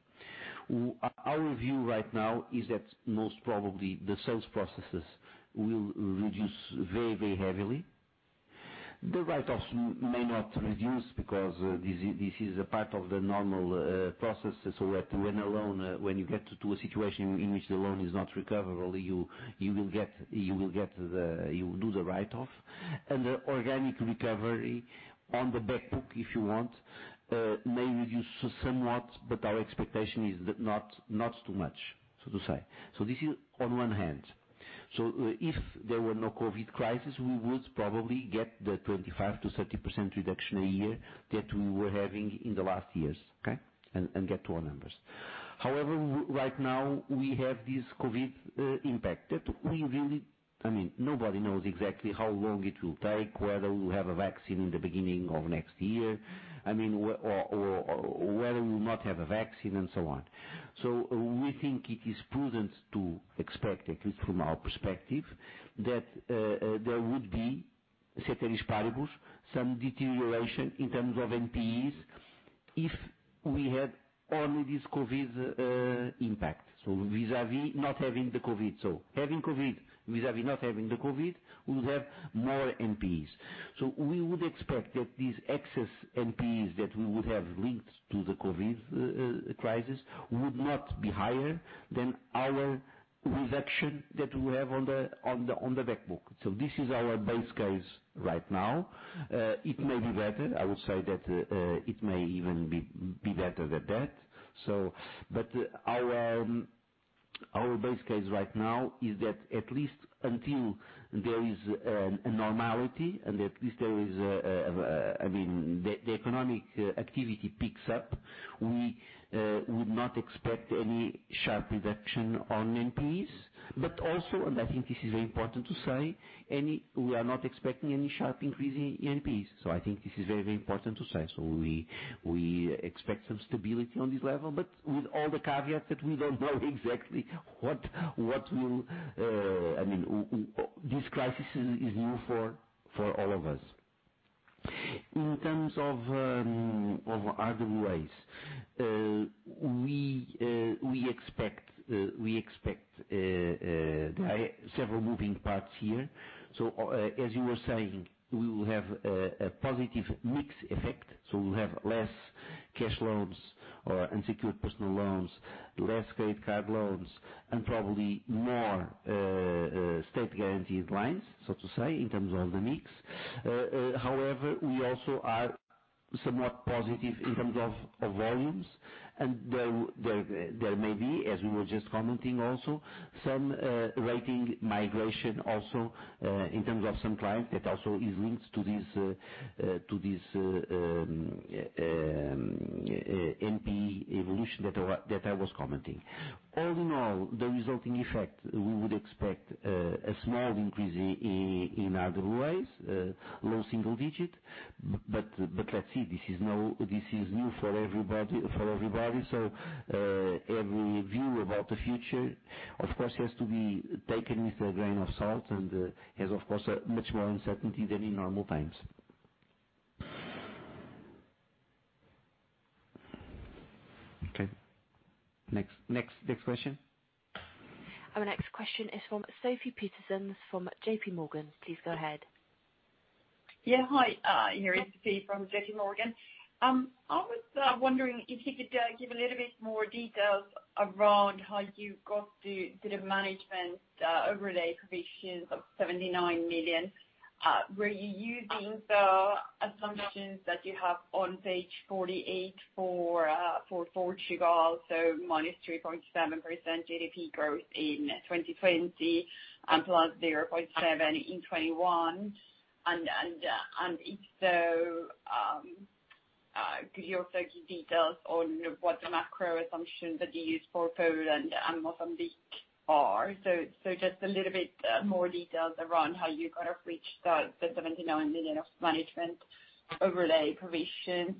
Our view right now is that most probably the sales processes will reduce very heavily. The write-offs may not reduce because this is a part of the normal process. When you get to a situation in which the loan is not recoverable, you will do the write-off, and the organic recovery on the back book, if you want, may reduce somewhat, but our expectation is that not too much, so to say. This is on one hand. If there were no COVID crisis, we would probably get the 25%-30% reduction a year that we were having in the last years, okay? Right now we have this COVID impact that we really Nobody knows exactly how long it will take, whether we'll have a vaccine in the beginning of next year, or whether we will not have a vaccine, and so on. We think it is prudent to expect, at least from our perspective, that there would be, ceteris paribus, some deterioration in terms of NPEs if we had only this COVID impact. Vis-a-vis not having the COVID. Having COVID vis-a-vis not having the COVID, we would have more NPEs. We would expect that these excess NPEs that we would have linked to the COVID crisis would not be higher than our reduction that we have on the back book. This is our base case right now. It may be better, I would say that it may even be better than that. Our base case right now is that at least until there is a normality and at least the economic activity picks up, we would not expect any sharp reduction on NPEs. Also, and I think this is very important to say, we are not expecting any sharp increase in NPEs. I think this is very important to say. We expect some stability on this level, but with all the caveats that we don't know exactly. This crisis is new for all of us. In terms of RWAs, we expect several moving parts here. As you were saying, we will have a positive mix effect. We will have less cash loans or unsecured personal loans, less credit card loans, and probably more state-guaranteed lines, so to say, in terms of the mix. We also are somewhat positive in terms of volumes. There may be, as we were just commenting also, some rating migration also, in terms of some clients, that also is linked to this NPE evolution that I was commenting. All in all, the resulting effect, we would expect a small increase in RWAs, low single digit. Let's see, this is new for everybody. Every view about the future, of course, has to be taken with a grain of salt and has, of course, much more uncertainty than in normal times. Okay. Next question. Our next question is from Sofie Peterzens from J.P. Morgan. Please go ahead. Hi, you're hearing from Sofie from J.P. Morgan. I was wondering if you could give a little bit more details around how you got to the management overlay provisions of 79 million. Were you using the assumptions that you have on page 48 for Portugal, -3.7% GDP growth in 2020 and +0.7% in 2021? If so, could you also give details on what the macro assumptions that you used for Poland and Mozambique are? Just a little bit more details around how you got to reach the 79 million of management overlay provision.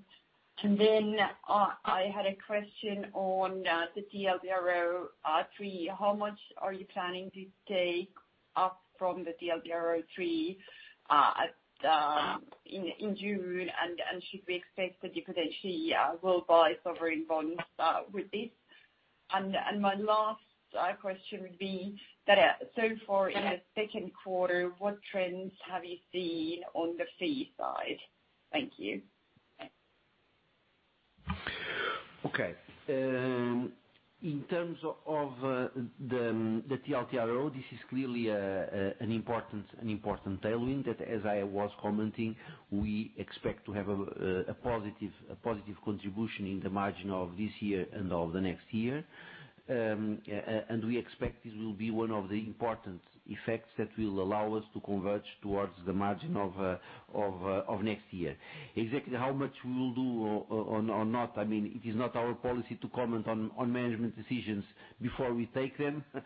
I had a question on the TLTRO III. How much are you planning to take up from the TLTRO III in June? Should we expect that you potentially will buy sovereign bonds with this? My last question would be that so far in the second quarter, what trends have you seen on the fee side? Thank you. Okay. In terms of the TLTRO, this is clearly an important tailwind that, as I was commenting, we expect to have a positive contribution in the margin of this year and of the next year. We expect this will be one of the important effects that will allow us to converge towards the margin of next year. Exactly how much we will do or not, it is not our policy to comment on management decisions before we take them. What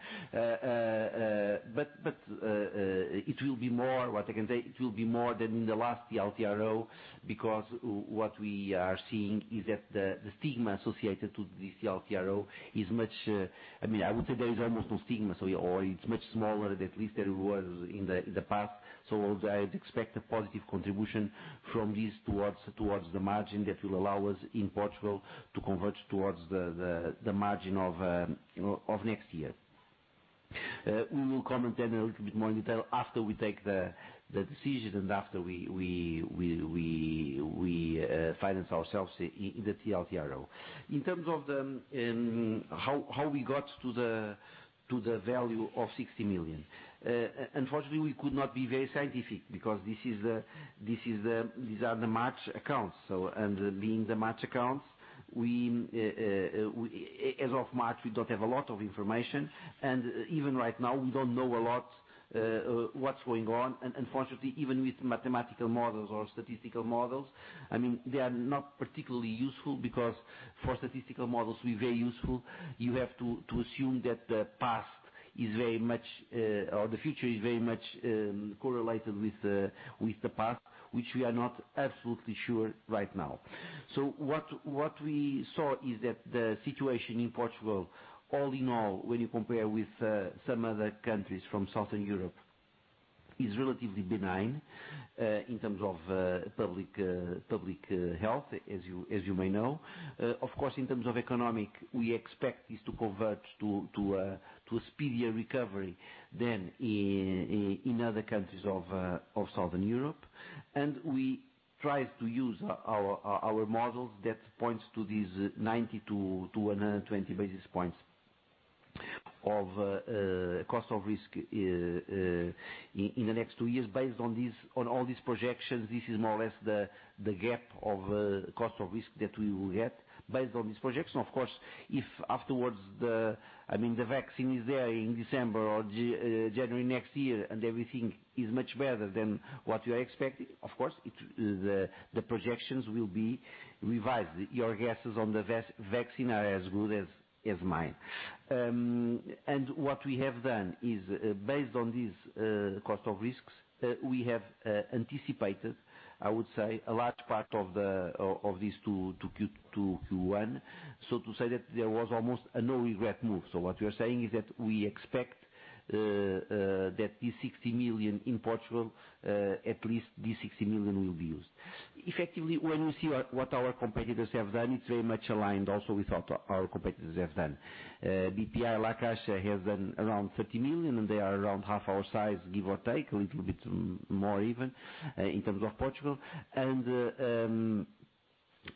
I can say, it will be more than in the last TLTRO, because what we are seeing is that the stigma associated to the TLTRO is I would say there is almost no stigma, or it's much smaller than at least there was in the past. I'd expect a positive contribution from this towards the margin that will allow us, in Portugal, to converge towards the margin of next year. We will comment then a little bit more in detail after we take the decision and after we finance ourselves in the TLTRO. In terms of how we got to the value of 60 million. Unfortunately, we could not be very scientific because these are the March accounts. Being the March accounts, as of March, we don't have a lot of information. Even right now, we don't know a lot what's going on. Unfortunately, even with mathematical models or statistical models, they are not particularly useful because for statistical models to be very useful, you have to assume that the future is very much correlated with the past, which we are not absolutely sure right now. What we saw is that the situation in Portugal, all in all, when you compare with some other countries from Southern Europe, is relatively benign, in terms of public health, as you may know. Of course, in terms of economic, we expect this to converge to a speedier recovery than in other countries of Southern Europe. We try to use our models that points to these 90 to 120 basis points of cost of risk in the next two years. Based on all these projections, this is more or less the gap of cost of risk that we will get. Based on these projections, of course, if afterwards the vaccine is there in December or January next year, and everything is much better than what you are expecting, of course, the projections will be revised. Your guesses on the vaccine are as good as mine. What we have done is, based on these cost of risk, we have anticipated, I would say, a large part of these to Q1. To say that there was almost a no regret move. What we are saying is that we expect that this 60 million in Portugal, at least this 60 million will be used. Effectively, when you see what our competitors have done, it's very much aligned also with what our competitors have done. BPI La Caixa has done around 30 million, and they are around half our size, give or take, a little bit more even, in terms of Portugal.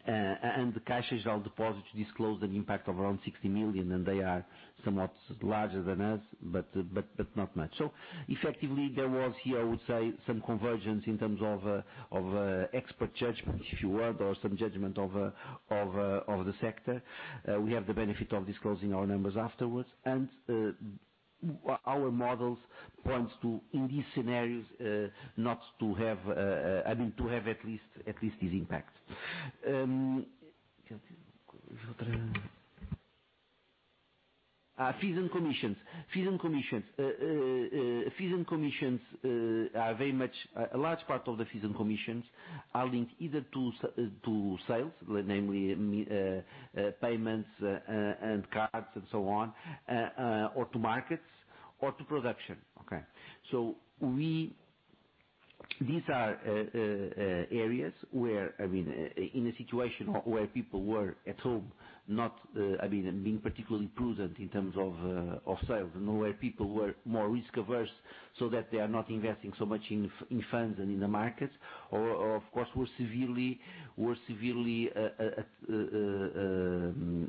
The Caixa Geral de Depósitos disclosed an impact of around 60 million, and they are somewhat larger than us, but not much. Effectively there was here, I would say, some convergence in terms of expert judgment, if you would, or some judgment of the sector. We have the benefit of disclosing our numbers afterwards, and our models points to, in these scenarios, to have at least this impact. Fees and commissions. A large part of the fees and commissions are linked either to sales, namely payments and cards and so on, or to markets, or to production. Okay. These are areas where, in a situation where people were at home, and being particularly prudent in terms of sales, and where people were more risk averse, so that they are not investing so much in funds and in the markets. Of course, were severely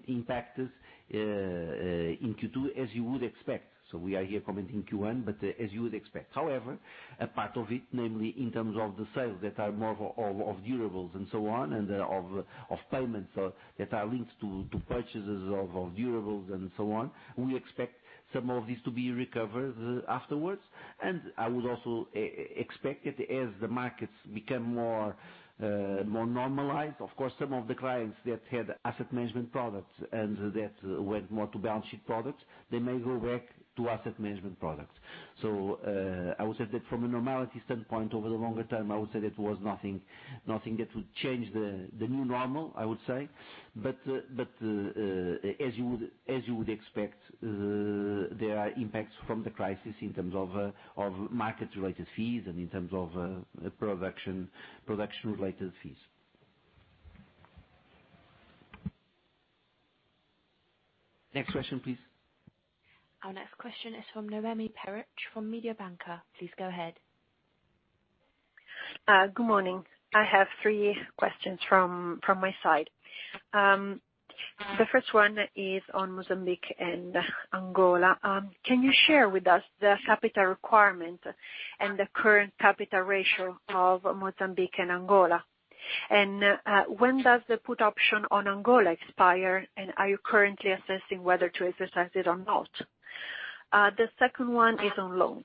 impacted in Q2 as you would expect. We are here commenting Q1, but as you would expect. However, a part of it, namely in terms of the sales that are more of durables and so on, and of payments that are linked to purchases of durables and so on, we expect some of these to be recovered afterwards. I would also expect that as the markets become more normalized, of course, some of the clients that had asset management products and that went more to balance sheet products, they may go back to asset management products. I would say that from a normality standpoint, over the longer term, I would say that it was nothing that would change the new normal, I would say. As you would expect, there are impacts from the crisis in terms of market-related fees and in terms of production-related fees. Next question, please. Our next question is from Noemi Peruch from Mediobanca. Please go ahead. Good morning. I have three questions from my side. The first one is on Mozambique and Angola. Can you share with us the capital requirement and the current capital ratio of Mozambique and Angola? When does the put option on Angola expire, and are you currently assessing whether to exercise it or not? The second one is on loans.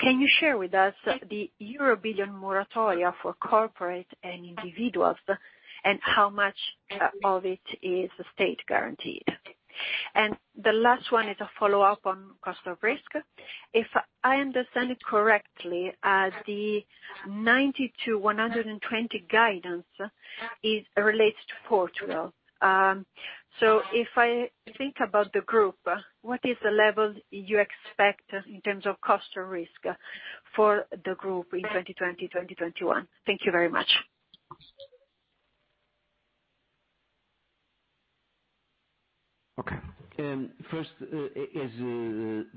Can you share with us the EUR billion moratoria for corporate and individuals, and how much of it is state guaranteed? The last one is a follow-up on cost of risk. If I understand it correctly, the 90-120 guidance is related to Portugal. If I think about the group, what is the level you expect in terms of cost of risk for the group in 2020, 2021? Thank you very much. Okay. First,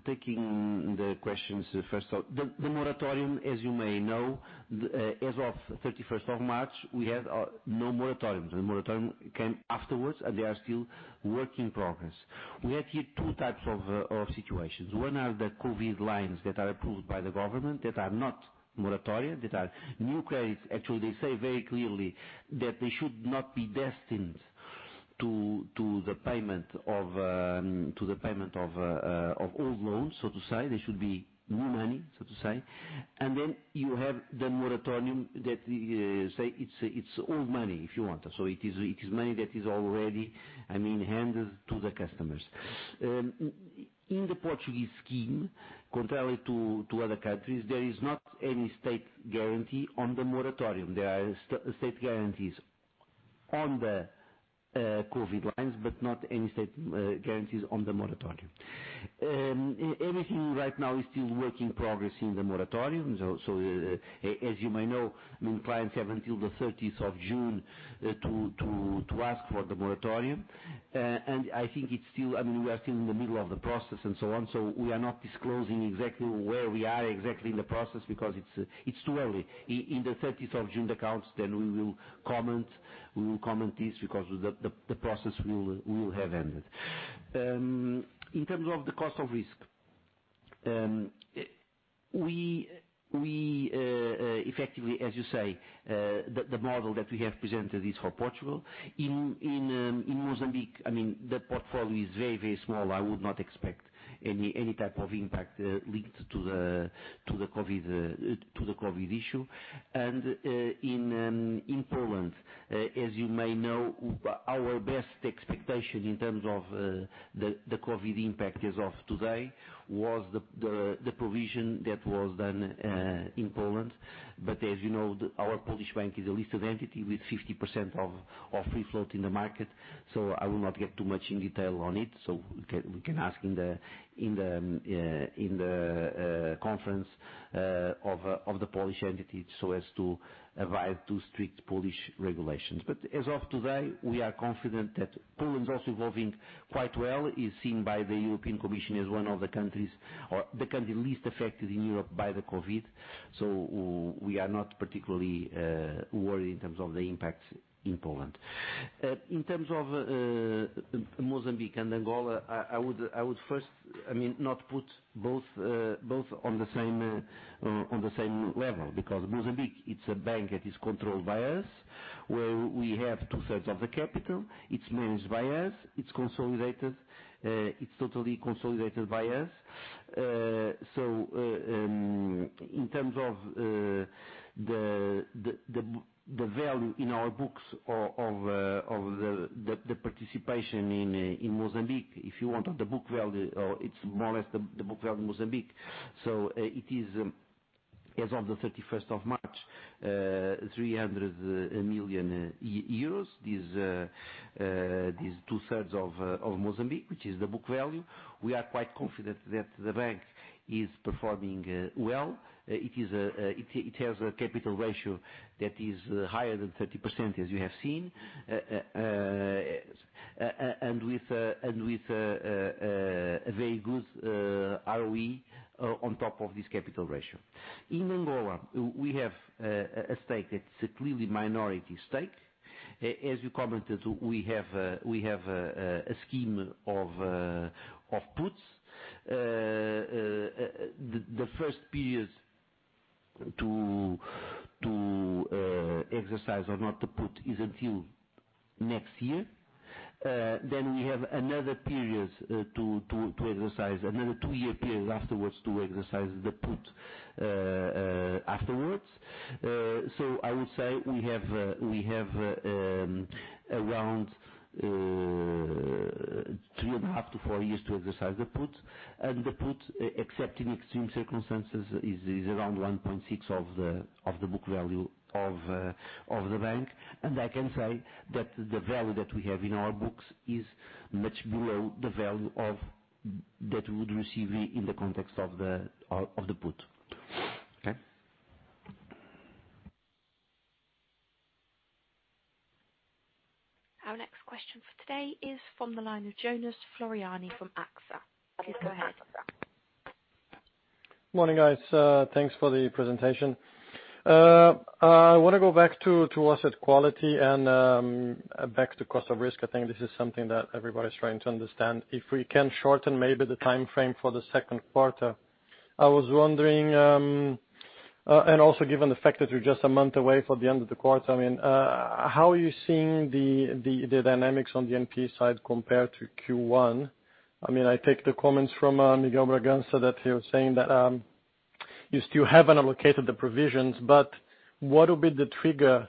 taking the questions, first off, the moratorium, as you may know, as of 31st of March, we had no moratorium. The moratorium came afterwards, and they are still work in progress. We have here 2 types of situations. One are the COVID lines that are approved by the government that are not moratoria, that are new credits. Actually, they say very clearly that they should not be destined to the payment of old loans, so to say. They should be new money, so to say. You have the moratorium that say it's old money, if you want. It is money that is already handed to the customers. In the Portuguese scheme, contrary to other countries, there is not any state guarantee on the moratorium. There are state guarantees on the COVID lines, but not any state guarantees on the moratorium. Everything right now is still work in progress in the moratorium. As you may know, clients have until the 30th of June to ask for the moratorium. We are still in the middle of the process and so on. We are not disclosing exactly where we are exactly in the process because it's too early. In the 30th of June accounts, we will comment this because the process will have ended. In terms of the cost of risk, we effectively, as you say, the model that we have presented is for Portugal. In Mozambique, the portfolio is very small. I would not expect any type of impact linked to the COVID issue. In Poland, as you may know, our best expectation in terms of the COVID impact as of today was the provision that was done in Poland. As you know, our Polish bank is a listed entity with 50% of free float in the market, I will not get too much in detail on it. We can ask in the conference of the Polish entity, so as to abide to strict Polish regulations. As of today, we are confident that Poland is also evolving quite well, is seen by the European Commission as one of the countries, or the country least affected in Europe by the COVID-19. We are not particularly worried in terms of the impact in Poland. In terms of Mozambique and Angola, I would first not put both on the same level, because Mozambique, it's a bank that is controlled by us, where we have two-thirds of the capital. It's managed by us. It's totally consolidated by us. In terms of the value in our books of the participation in Mozambique, if you want the book value, it's more or less the book value of Mozambique. It is as of the 31st of March, 300 million euros. These two-thirds of Mozambique, which is the book value. We are quite confident that the bank is performing well. It has a capital ratio that is higher than 30%, as you have seen, and with a very good ROE on top of this capital ratio. In Angola, we have a stake that's a clearly minority stake. As you commented, we have a scheme of puts. The first periods to exercise or not to put is until next year. We have another two-year period afterwards to exercise the put afterwards. I would say we have around three and a half to four years to exercise the put. The put, except in extreme circumstances, is around 1.6 of the book value of the bank. I can say that the value that we have in our books is much below the value that we would receive in the context of the put. Okay? Our next question for today is from the line of Jonas Floriani from AXA. Please go ahead. Morning, guys. Thanks for the presentation. I want to go back to asset quality and back to cost of risk. I think this is something that everybody's trying to understand. If we can shorten maybe the timeframe for the second quarter. I was wondering, and also given the fact that you're just a month away from the end of the quarter, how are you seeing the dynamics on the NP side compared to Q1? I take the comments from Miguel Bragança that he was saying that you still haven't allocated the provisions, but what will be the trigger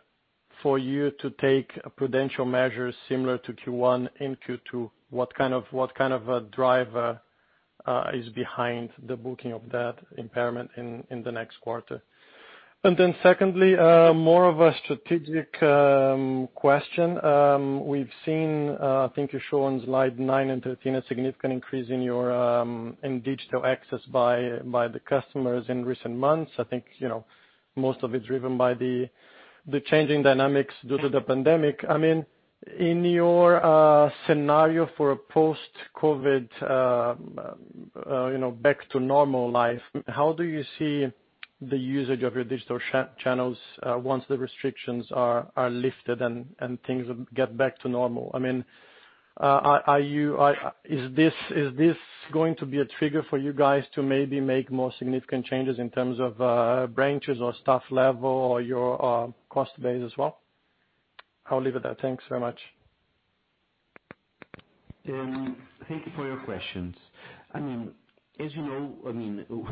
for you to take a prudential measure similar to Q1 in Q2? What kind of a driver is behind the booking of that impairment in the next quarter? Secondly, more of a strategic question. We've seen, I think you show on slide nine and 13, a significant increase in digital access by the customers in recent months. I think most of it is driven by the changing dynamics due to the pandemic. In your scenario for a post-COVID, back to normal life, how do you see the usage of your digital channels once the restrictions are lifted and things get back to normal? Is this going to be a trigger for you guys to maybe make more significant changes in terms of branches or staff level or your cost base as well? I'll leave it at that. Thanks very much. Thank you for your questions. As you know,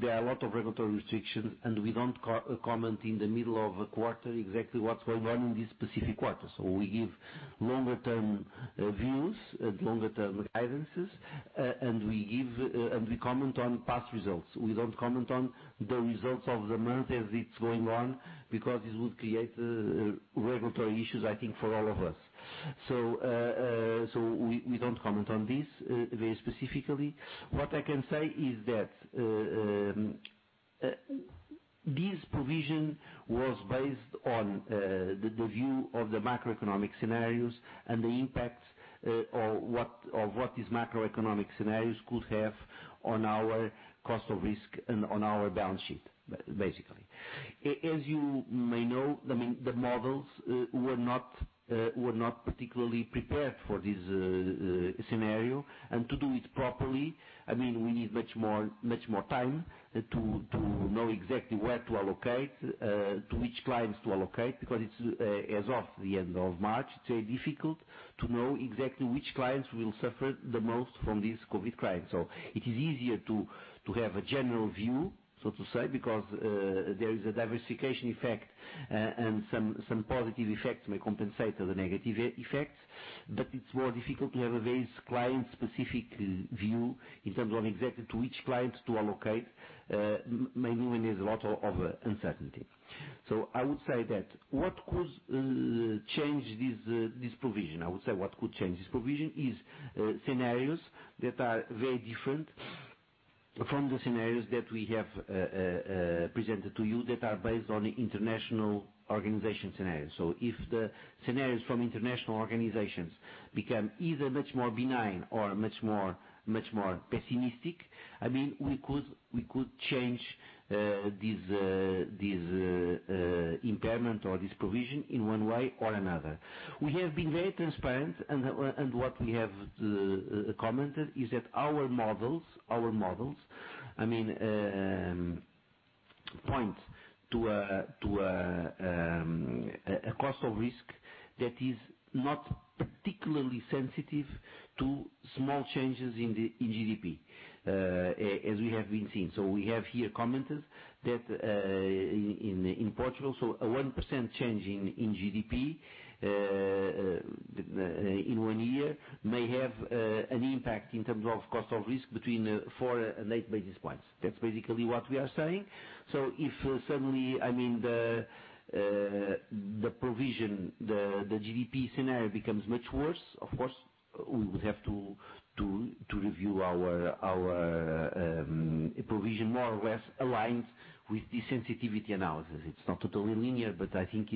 there are a lot of regulatory restrictions, and we don't comment in the middle of a quarter exactly what's going on in this specific quarter. We give longer term views and longer term guidances, and we comment on past results. We don't comment on the results of the month as it's going on because this would create regulatory issues, I think, for all of us. We don't comment on this very specifically. What I can say is that this provision was based on the view of the macroeconomic scenarios and the impacts of what these macroeconomic scenarios could have on our cost of risk and on our balance sheet, basically. As you may know, the models were not particularly prepared for this scenario. To do it properly, we need much more time to know exactly where to allocate, to which clients to allocate, because as of the end of March, it's very difficult to know exactly which clients will suffer the most from this COVID crisis. It is easier to have a general view, so to say, because there is a diversification effect, and some positive effects may compensate for the negative effects. It's more difficult to have a very client-specific view in terms of exactly to which clients to allocate, mainly when there's a lot of uncertainty. I would say that what could change this provision is scenarios that are very different from the scenarios that we have presented to you that are based on international organization scenarios. If the scenarios from international organizations become either much more benign or much more pessimistic, we could change this impairment or this provision in one way or another. We have been very transparent, and what we have commented is that our models point to a cost of risk that is not particularly sensitive to small changes in GDP, as we have been seeing. We have here commented that in Portugal, a 1% change in GDP in one year may have an impact in terms of cost of risk between four and eight basis points. That's basically what we are saying. If suddenly the GDP scenario becomes much worse, of course, we would have to review our provision more or less aligned with the sensitivity analysis. It's not totally linear. I think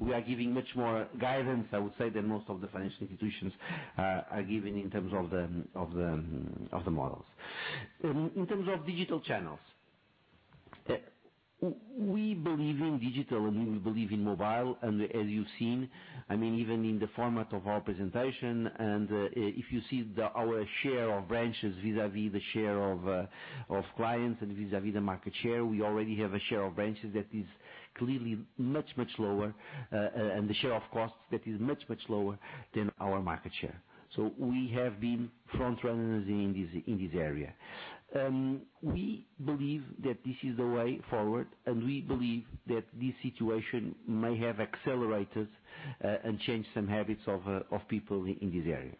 we are giving much more guidance, I would say, than most of the financial institutions are giving in terms of the models. In terms of digital channels, we believe in digital, and we believe in mobile. As you've seen, even in the format of our presentation, and if you see our share of branches vis-a-vis the share of clients and vis-a-vis the market share, we already have a share of branches that is clearly much, much lower, and the share of costs that is much, much lower than our market share. We have been frontrunners in this area. We believe that this is the way forward, and we believe that this situation may have accelerated and changed some habits of people in this area.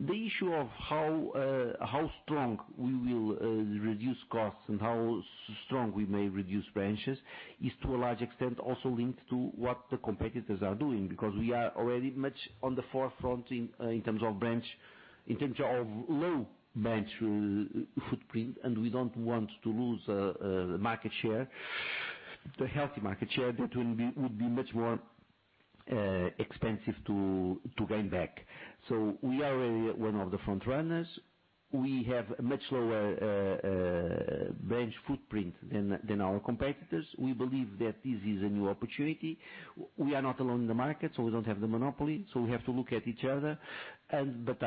The issue of how strong we will reduce costs and how strong we may reduce branches is to a large extent also linked to what the competitors are doing, because we are already much on the forefront in terms of low branch footprint, and we don't want to lose the healthy market share. That would be much more expensive to gain back. We are already one of the frontrunners. We have a much lower branch footprint than our competitors. We believe that this is a new opportunity. We are not alone in the market, so we don't have the monopoly, so we have to look at each other. I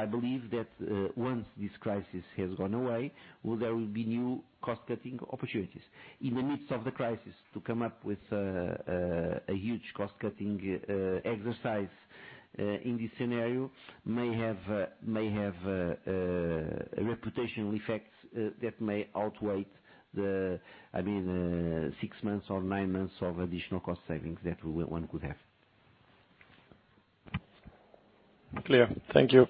believe that once this crisis has gone away, there will be new cost-cutting opportunities. In the midst of the crisis, to come up with a huge cost-cutting exercise in this scenario may have reputational effects that may outweigh the 6 months or 9 months of additional cost savings that one could have. Clear. Thank you.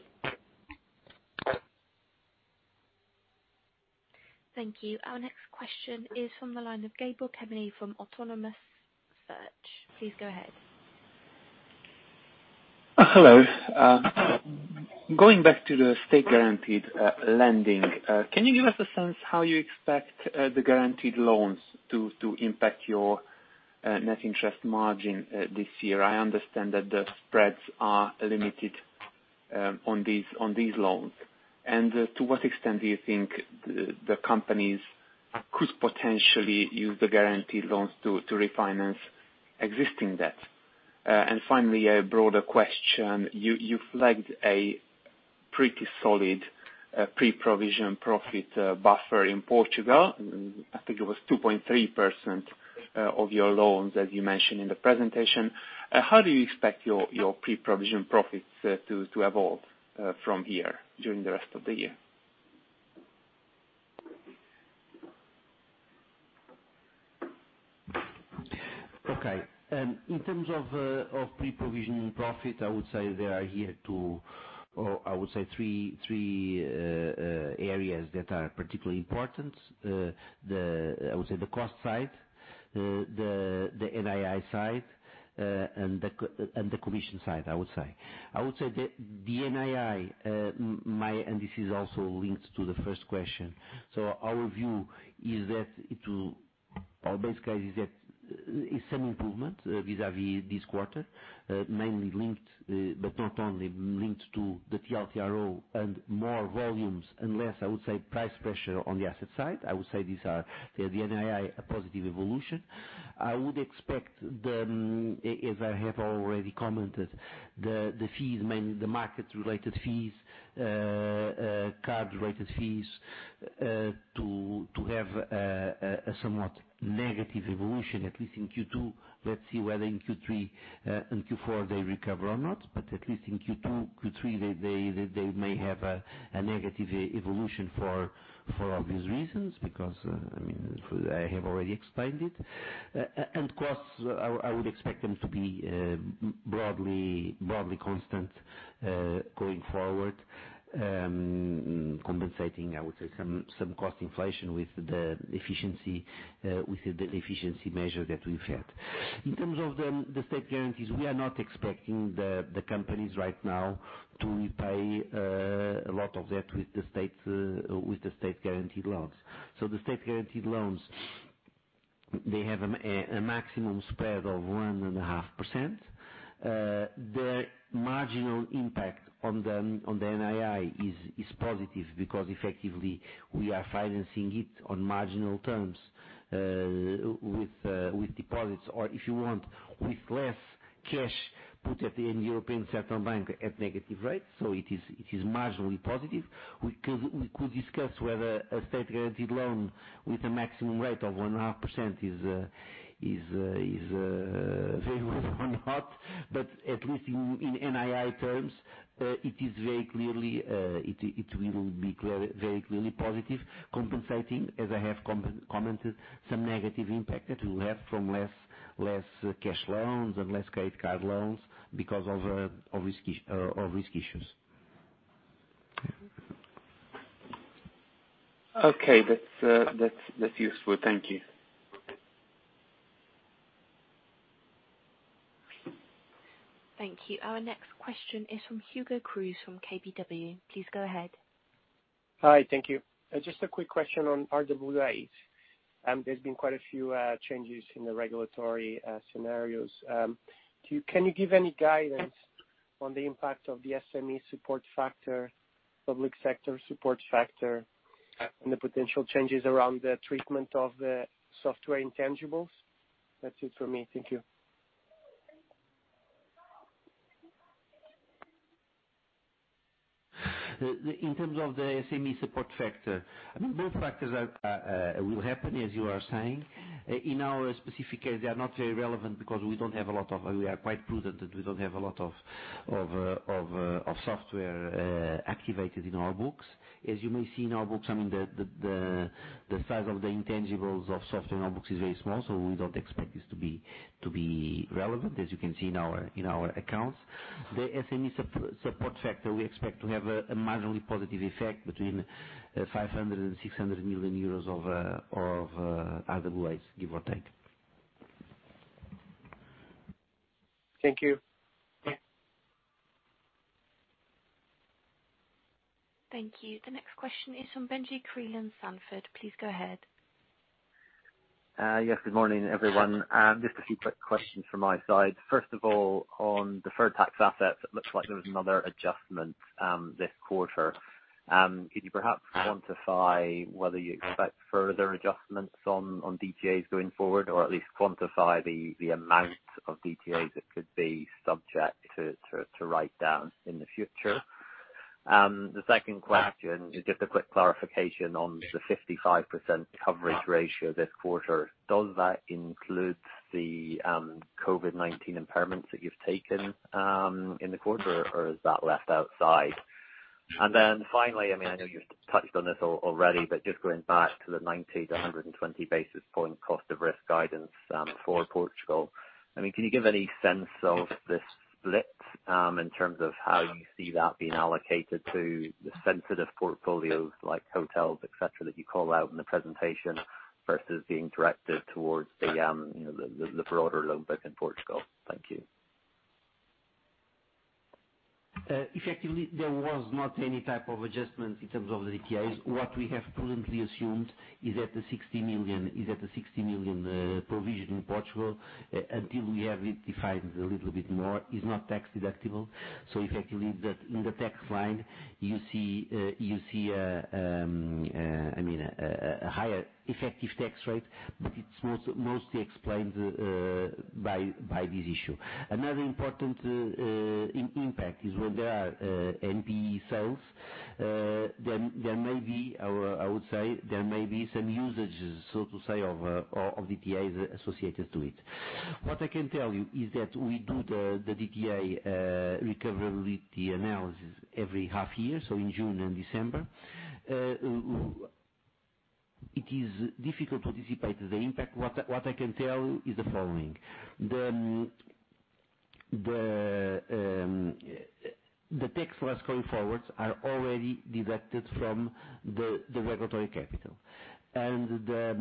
Thank you. Our next question is from the line of Gabor Kemeny from Autonomous Research. Please go ahead. Hello. Going back to the state-guaranteed lending, can you give us a sense how you expect the guaranteed loans to impact your net interest margin this year? I understand that the spreads are limited on these loans. To what extent do you think the companies could potentially use the guaranteed loans to refinance existing debt? Finally, a broader question. You flagged a pretty solid pre-provision profit buffer in Portugal. I think it was 2.3% of your loans, as you mentioned in the presentation. How do you expect your pre-provision profits to evolve from here during the rest of the year? Okay. In terms of pre-provisioning profit, I would say there are here two, or I would say three areas that are particularly important. I would say the cost side, the NII side, and the commission side, I would say. I would say the NII, this is also linked to the first question. Our base case is that it's some improvement vis-a-vis this quarter, mainly linked, but not only linked to the TLTRO and more volumes and less, I would say, price pressure on the asset side. I would say these are the NII, a positive evolution. I would expect them, as I have already commented, the fees, mainly the market-related fees, card-related fees, to have a somewhat negative evolution, at least in Q2. Let's see whether in Q3 and Q4 they recover or not, at least in Q2, Q3, they may have a negative evolution for obvious reasons because, I have already explained it. Costs, I would expect them to be broadly constant, going forward, compensating, I would say, some cost inflation with the efficiency measure that we've had. In terms of the state guarantees, we are not expecting the companies right now to repay a lot of that with the state guaranteed loans. The state guaranteed loans, they have a maximum spread of 1.5%. Their marginal impact on the NII is positive because effectively we are financing it on marginal terms, with deposits or if you want, with less cash put at the European Central Bank at negative rates. It is marginally positive. We could discuss whether a state guaranteed loan with a maximum rate of one and a half % is very good or not, but at least in NII terms, it will be very clearly positive compensating, as I have commented, some negative impact that we will have from less cash loans and less credit card loans because of risk issues. Okay. That's useful. Thank you. Thank you. Our next question is from Hugo Cruz, from KBW. Please go ahead. Hi. Thank you. Just a quick question on RWAs. There has been quite a few changes in the regulatory scenarios. Can you give any guidance on the impact of the SME support factor, public sector support factor, and the potential changes around the treatment of the software intangibles? That is it from me. Thank you. In terms of the SME support factor, both factors will happen, as you are saying. In our specific case, they are not very relevant because we are quite prudent that we don't have a lot of software activated in our books. As you may see in our books, the size of the intangibles of software in our books is very small, so we don't expect this to be relevant, as you can see in our accounts. The SME support factor, we expect to have a marginally positive effect between 500 million euros and 600 million euros of RWAs, give or take. Thank you. Thank you. The next question is from Benji Creelan-Sandford, Jefferies. Please go ahead. Yes, good morning, everyone. Just a few quick questions from my side. First of all, on deferred tax assets, it looks like there was another adjustment this quarter. Could you perhaps quantify whether you expect further adjustments on DTAs going forward, or at least quantify the amount of DTAs that could be subject to write down in the future? The second question is just a quick clarification on the 55% coverage ratio this quarter. Does that include the COVID-19 impairments that you've taken in the quarter, or is that left outside? Then finally, I know you touched on this already, but just going back to the 90 to 120 basis point cost of risk guidance for Portugal. Can you give any sense of the split, in terms of how you see that being allocated to the sensitive portfolios like hotels, et cetera, that you call out in the presentation, versus being directed towards the broader loan book in Portugal? Thank you. Effectively, there was not any type of adjustment in terms of the DTAs. What we have prudently assumed is that the 60 million provision in Portugal, until we have redefined a little bit more, is not tax deductible. Effectively, in the tax line, you see a higher effective tax rate, but it's mostly explained by this issue. Another important impact is when there are NPE sales, there may be, or I would say, there may be some usages, so to say, of DTAs associated to it. What I can tell you is that we do the DTA recoverability analysis every half year, so in June and December. It is difficult to anticipate the impact. What I can tell you is the following. The tax risks going forwards are already deducted from the regulatory capital. The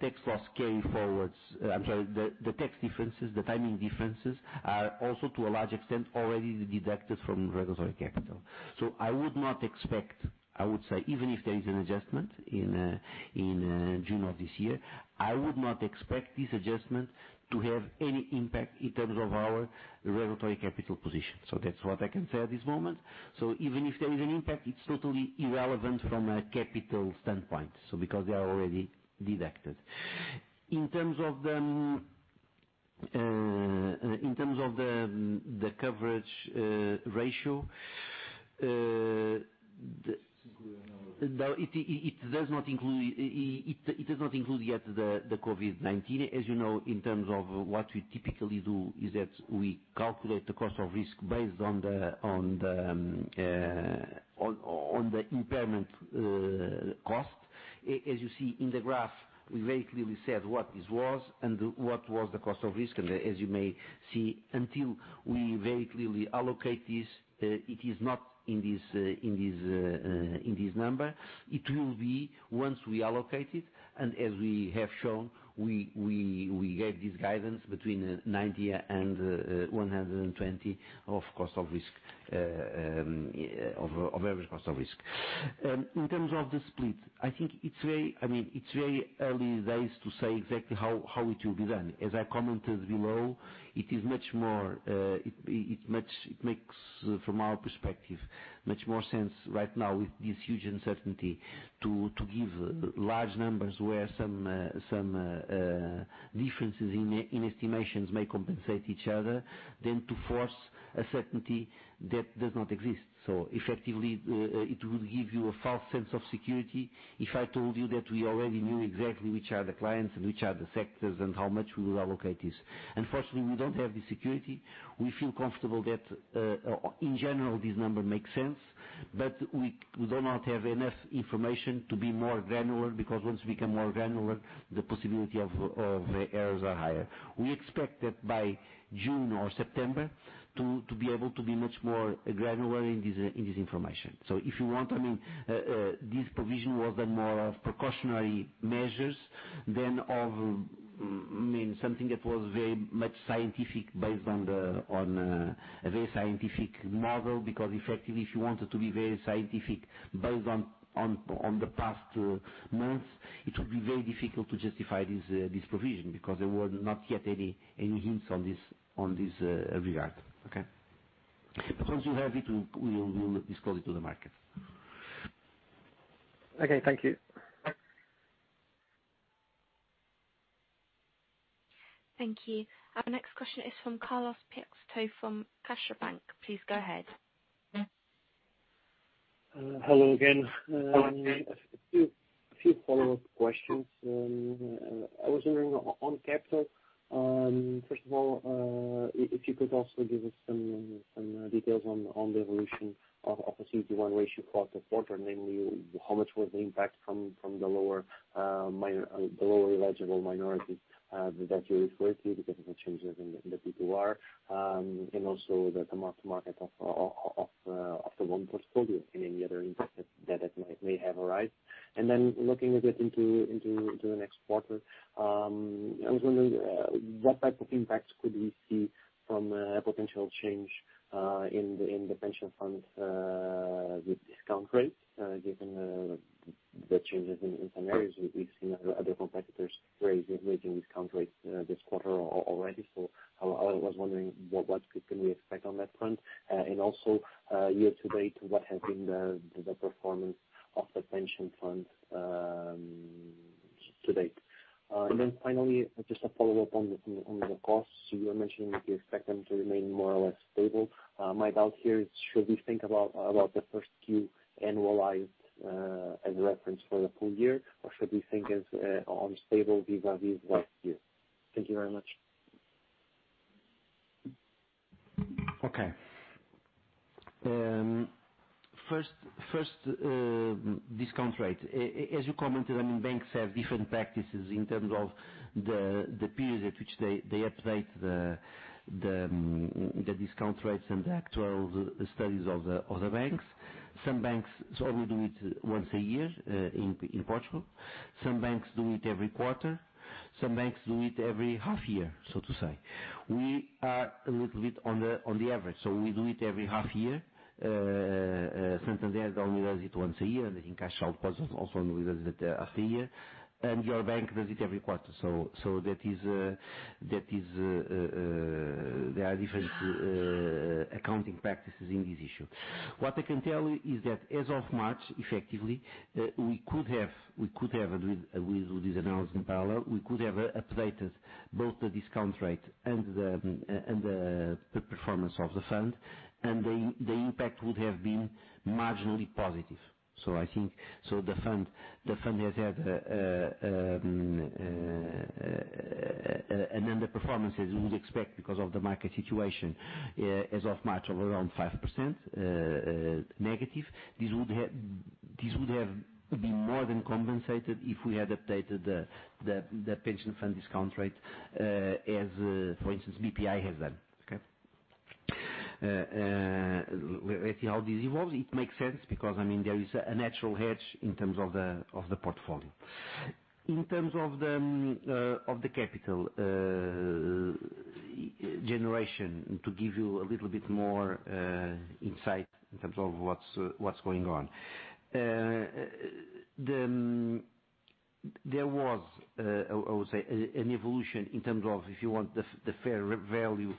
tax loss carry forwards, I'm sorry, the tax differences, the timing differences are also, to a large extent, already deducted from regulatory capital. I would not expect, I would say, even if there is an adjustment in June of this year, I would not expect this adjustment to have any impact in terms of our regulatory capital position. That's what I can say at this moment. Even if there is an impact, it's totally irrelevant from a capital standpoint, because they are already deducted. In terms of the coverage ratio, it does not include yet the COVID-19. As you know, in terms of what we typically do, is that we calculate the cost of risk based on the impairment cost. As you see in the graph, we very clearly said what this was and what was the cost of risk. As you may see, until we very clearly allocate this, it is not in this number. It will be once we allocate it. As we have shown, we gave this guidance between 90 and 120 of average cost of risk. In terms of the split, I think it's very early days to say exactly how it will be done. As I commented below, it makes, from our perspective, much more sense right now with this huge uncertainty to give large numbers where some differences in estimations may compensate each other than to force a certainty that does not exist. Effectively, it will give you a false sense of security if I told you that we already knew exactly which are the clients and which are the sectors and how much we will allocate this. Unfortunately, we don't have the security. We feel comfortable that, in general, this number makes sense, but we do not have enough information to be more granular, because once we become more granular, the possibility of errors are higher. We expect that by June or September to be able to be much more granular in this information. If you want, this provision was more of precautionary measures than of something that was very much scientific based on a very scientific model. Effectively, if you wanted to be very scientific based on the past two months, it would be very difficult to justify this provision because there were not yet any hints on this regard. Once we have it, we will disclose it to the market. Okay. Thank you. Thank you. Our next question is from Carlos Peixoto from CaixaBank. Please go ahead. Hello again. Hello. A few follow-up questions. I was wondering on capital, first of all, if you could also give us some details on the evolution of the CET1 ratio throughout the quarter, namely how much was the impact from the lower eligible minority that you referred to because of the changes in the P2R. Also the mark to market of the loan portfolio and any other impact that may have arise. Looking a bit into the next quarter, I was wondering what type of impact could we see from a potential change in the pension fund with discount rates, given the changes in some areas we've seen other competitors raising discount rates this quarter and your bank does it every quarter. There are different accounting practices in this issue. What I can tell you is that as of March, effectively, we could have, we will do this analysis in parallel, we could have updated both the discount rate and the performance of the fund, and the impact would have been marginally positive. I think the fund has had a number of performances we would expect because of the market situation as of March of around 5% negative. This would have been more than compensated if we had updated the pension fund discount rate, as for instance, BPI has done. Okay? Let's see how this evolves. It makes sense because there is a natural hedge in terms of the portfolio. In terms of the capital generation, to give you a little bit more insight in terms of what's going on. There was, I would say, an evolution in terms of the fair value.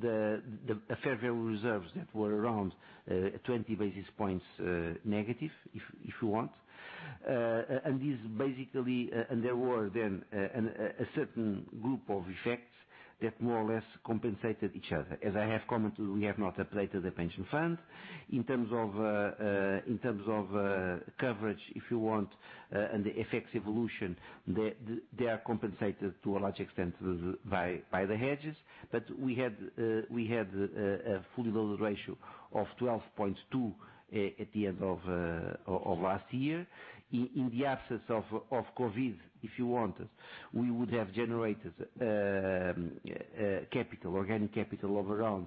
The fair value reserves that were around 20 basis points negative, if you want. There were then a certain group of effects that more or less compensated each other. As I have commented, we have not applied to the pension fund. In terms of coverage, if you want, and the effects evolution, they are compensated to a large extent by the hedges. We had a fully loaded ratio of 12.2 at the end of last year. In the absence of COVID-19, if you want, we would have generated organic capital of around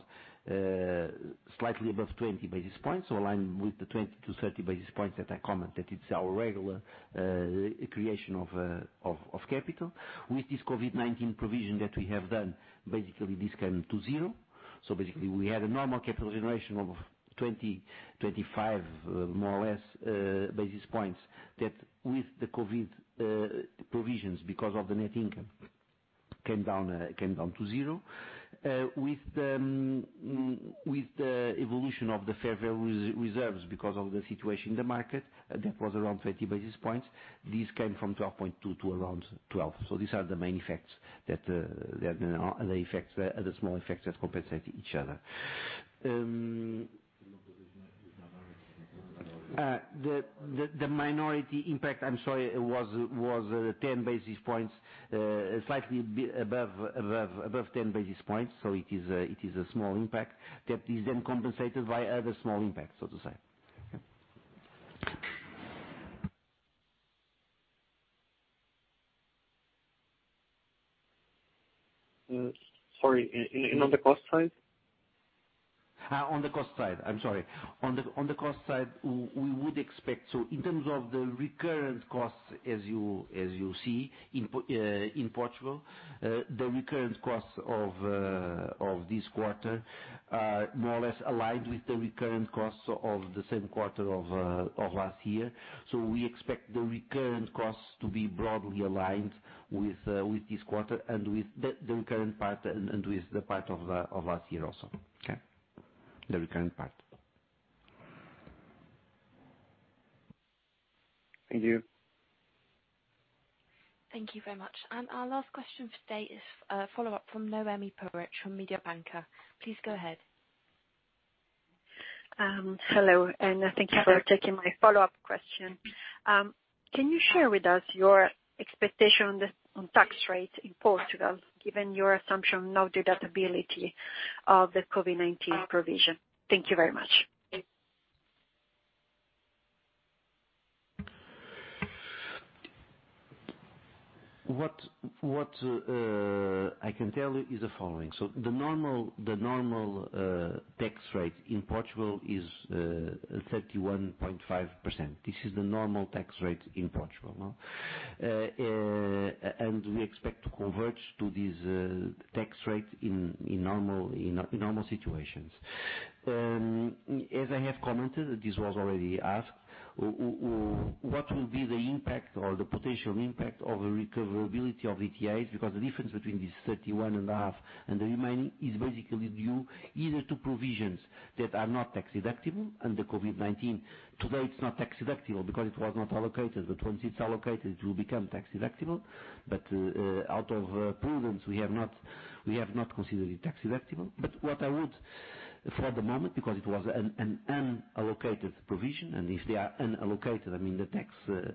slightly above 20 basis points. Aligned with the 20-30 basis points that I commented. It's our regular creation of capital. With this COVID-19 provision that we have done, basically, this came to zero. Basically, we had a normal capital generation of 20-25, more or less, basis points that with the COVID-19 provisions, because of the net income, came down to zero. With the evolution of the fair value reserves because of the situation in the market, that was around 30 basis points. This came from 12.2 to around 12. These are the main effects, the small effects that compensate each other. The minority impact, I'm sorry, it was slightly above 10 basis points. It is a small impact that is then compensated by other small impacts, so to say. Okay. Sorry, on the cost side? On the cost side, I'm sorry. On the cost side, we would expect, in terms of the recurrent costs as you see in Portugal, the recurrent costs of this quarter are more or less aligned with the recurrent costs of the same quarter of last year. We expect the recurrent costs to be broadly aligned with this quarter and with the recurrent part, and with the part of last year also. Okay. The recurrent part. Thank you. Thank you very much. Our last question for today is a follow-up from Noemi Peruch from Mediobanca. Please go ahead. Hello, and thank you for taking my follow-up question. Can you share with us your expectation on tax rates in Portugal, given your assumption, no deductibility of the COVID-19 provision? Thank you very much. What I can tell you is the following. The normal tax rate in Portugal is 31.5%. This is the normal tax rate in Portugal. We expect to converge to this tax rate in normal situations. As I have commented, this was already asked, what will be the impact or the potential impact of the recoverability of DTAs? The difference between this 31.5% and the remaining is basically due either to provisions that are not tax-deductible and the COVID-19. Today it's not tax-deductible because it was not allocated. Once it's allocated, it will become tax-deductible. Out of prudence, we have not considered it tax-deductible. At the moment, because it was an unallocated provision, and if they are unallocated, the tax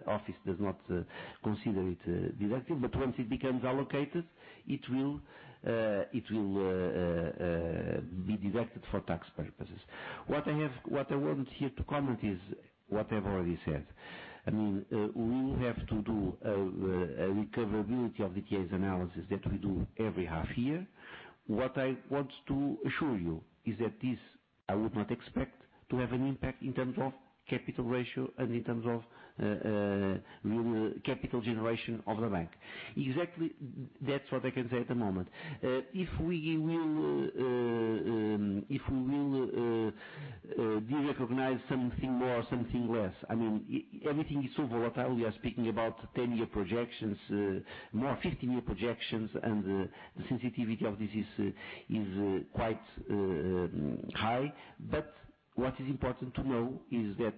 office does not consider it deductible. Once it becomes allocated, it will be deducted for tax purposes. What I want here to comment is what I've already said. We will have to do a recoverability of the case analysis that we do every half year. What I want to assure you is that this, I would not expect to have an impact in terms of capital ratio and in terms of new capital generation of the bank. Exactly, that's what I can say at the moment. If we will derecognize something more, something less, everything is so volatile. We are speaking about 10-year projections, more 15-year projections, and the sensitivity of this is quite high. What is important to know is that,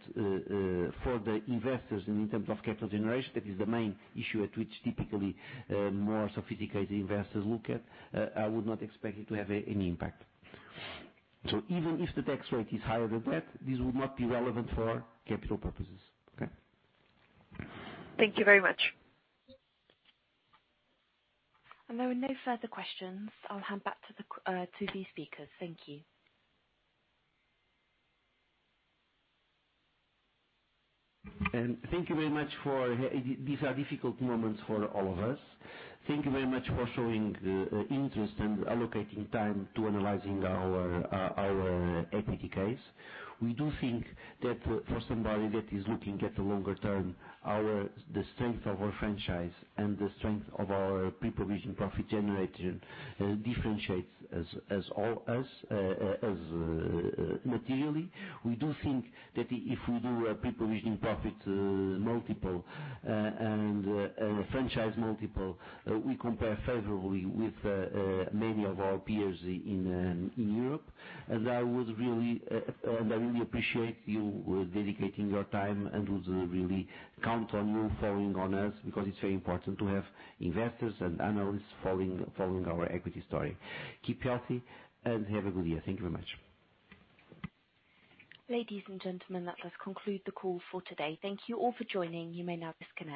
for the investors in terms of capital generation, that is the main issue at which typically more sophisticated investors look at, I would not expect it to have any impact. Even if the tax rate is higher than that, this would not be relevant for capital purposes. Okay. Thank you very much. There were no further questions. I'll hand back to the speakers. Thank you. These are difficult moments for all of us. Thank you very much for showing interest and allocating time to analyzing our equity case. We do think that for somebody that is looking at the longer term, the strength of our franchise and the strength of our pre-provision profit generation differentiates us materially. We do think that if we do a pre-provision profit multiple and a franchise multiple, we compare favorably with many of our peers in Europe. I really appreciate you dedicating your time, and we really count on you following us, because it's very important to have investors and analysts following our equity story. Keep healthy and have a good year. Thank you very much. Ladies and gentlemen, that does conclude the call for today. Thank you all for joining. You may now disconnect.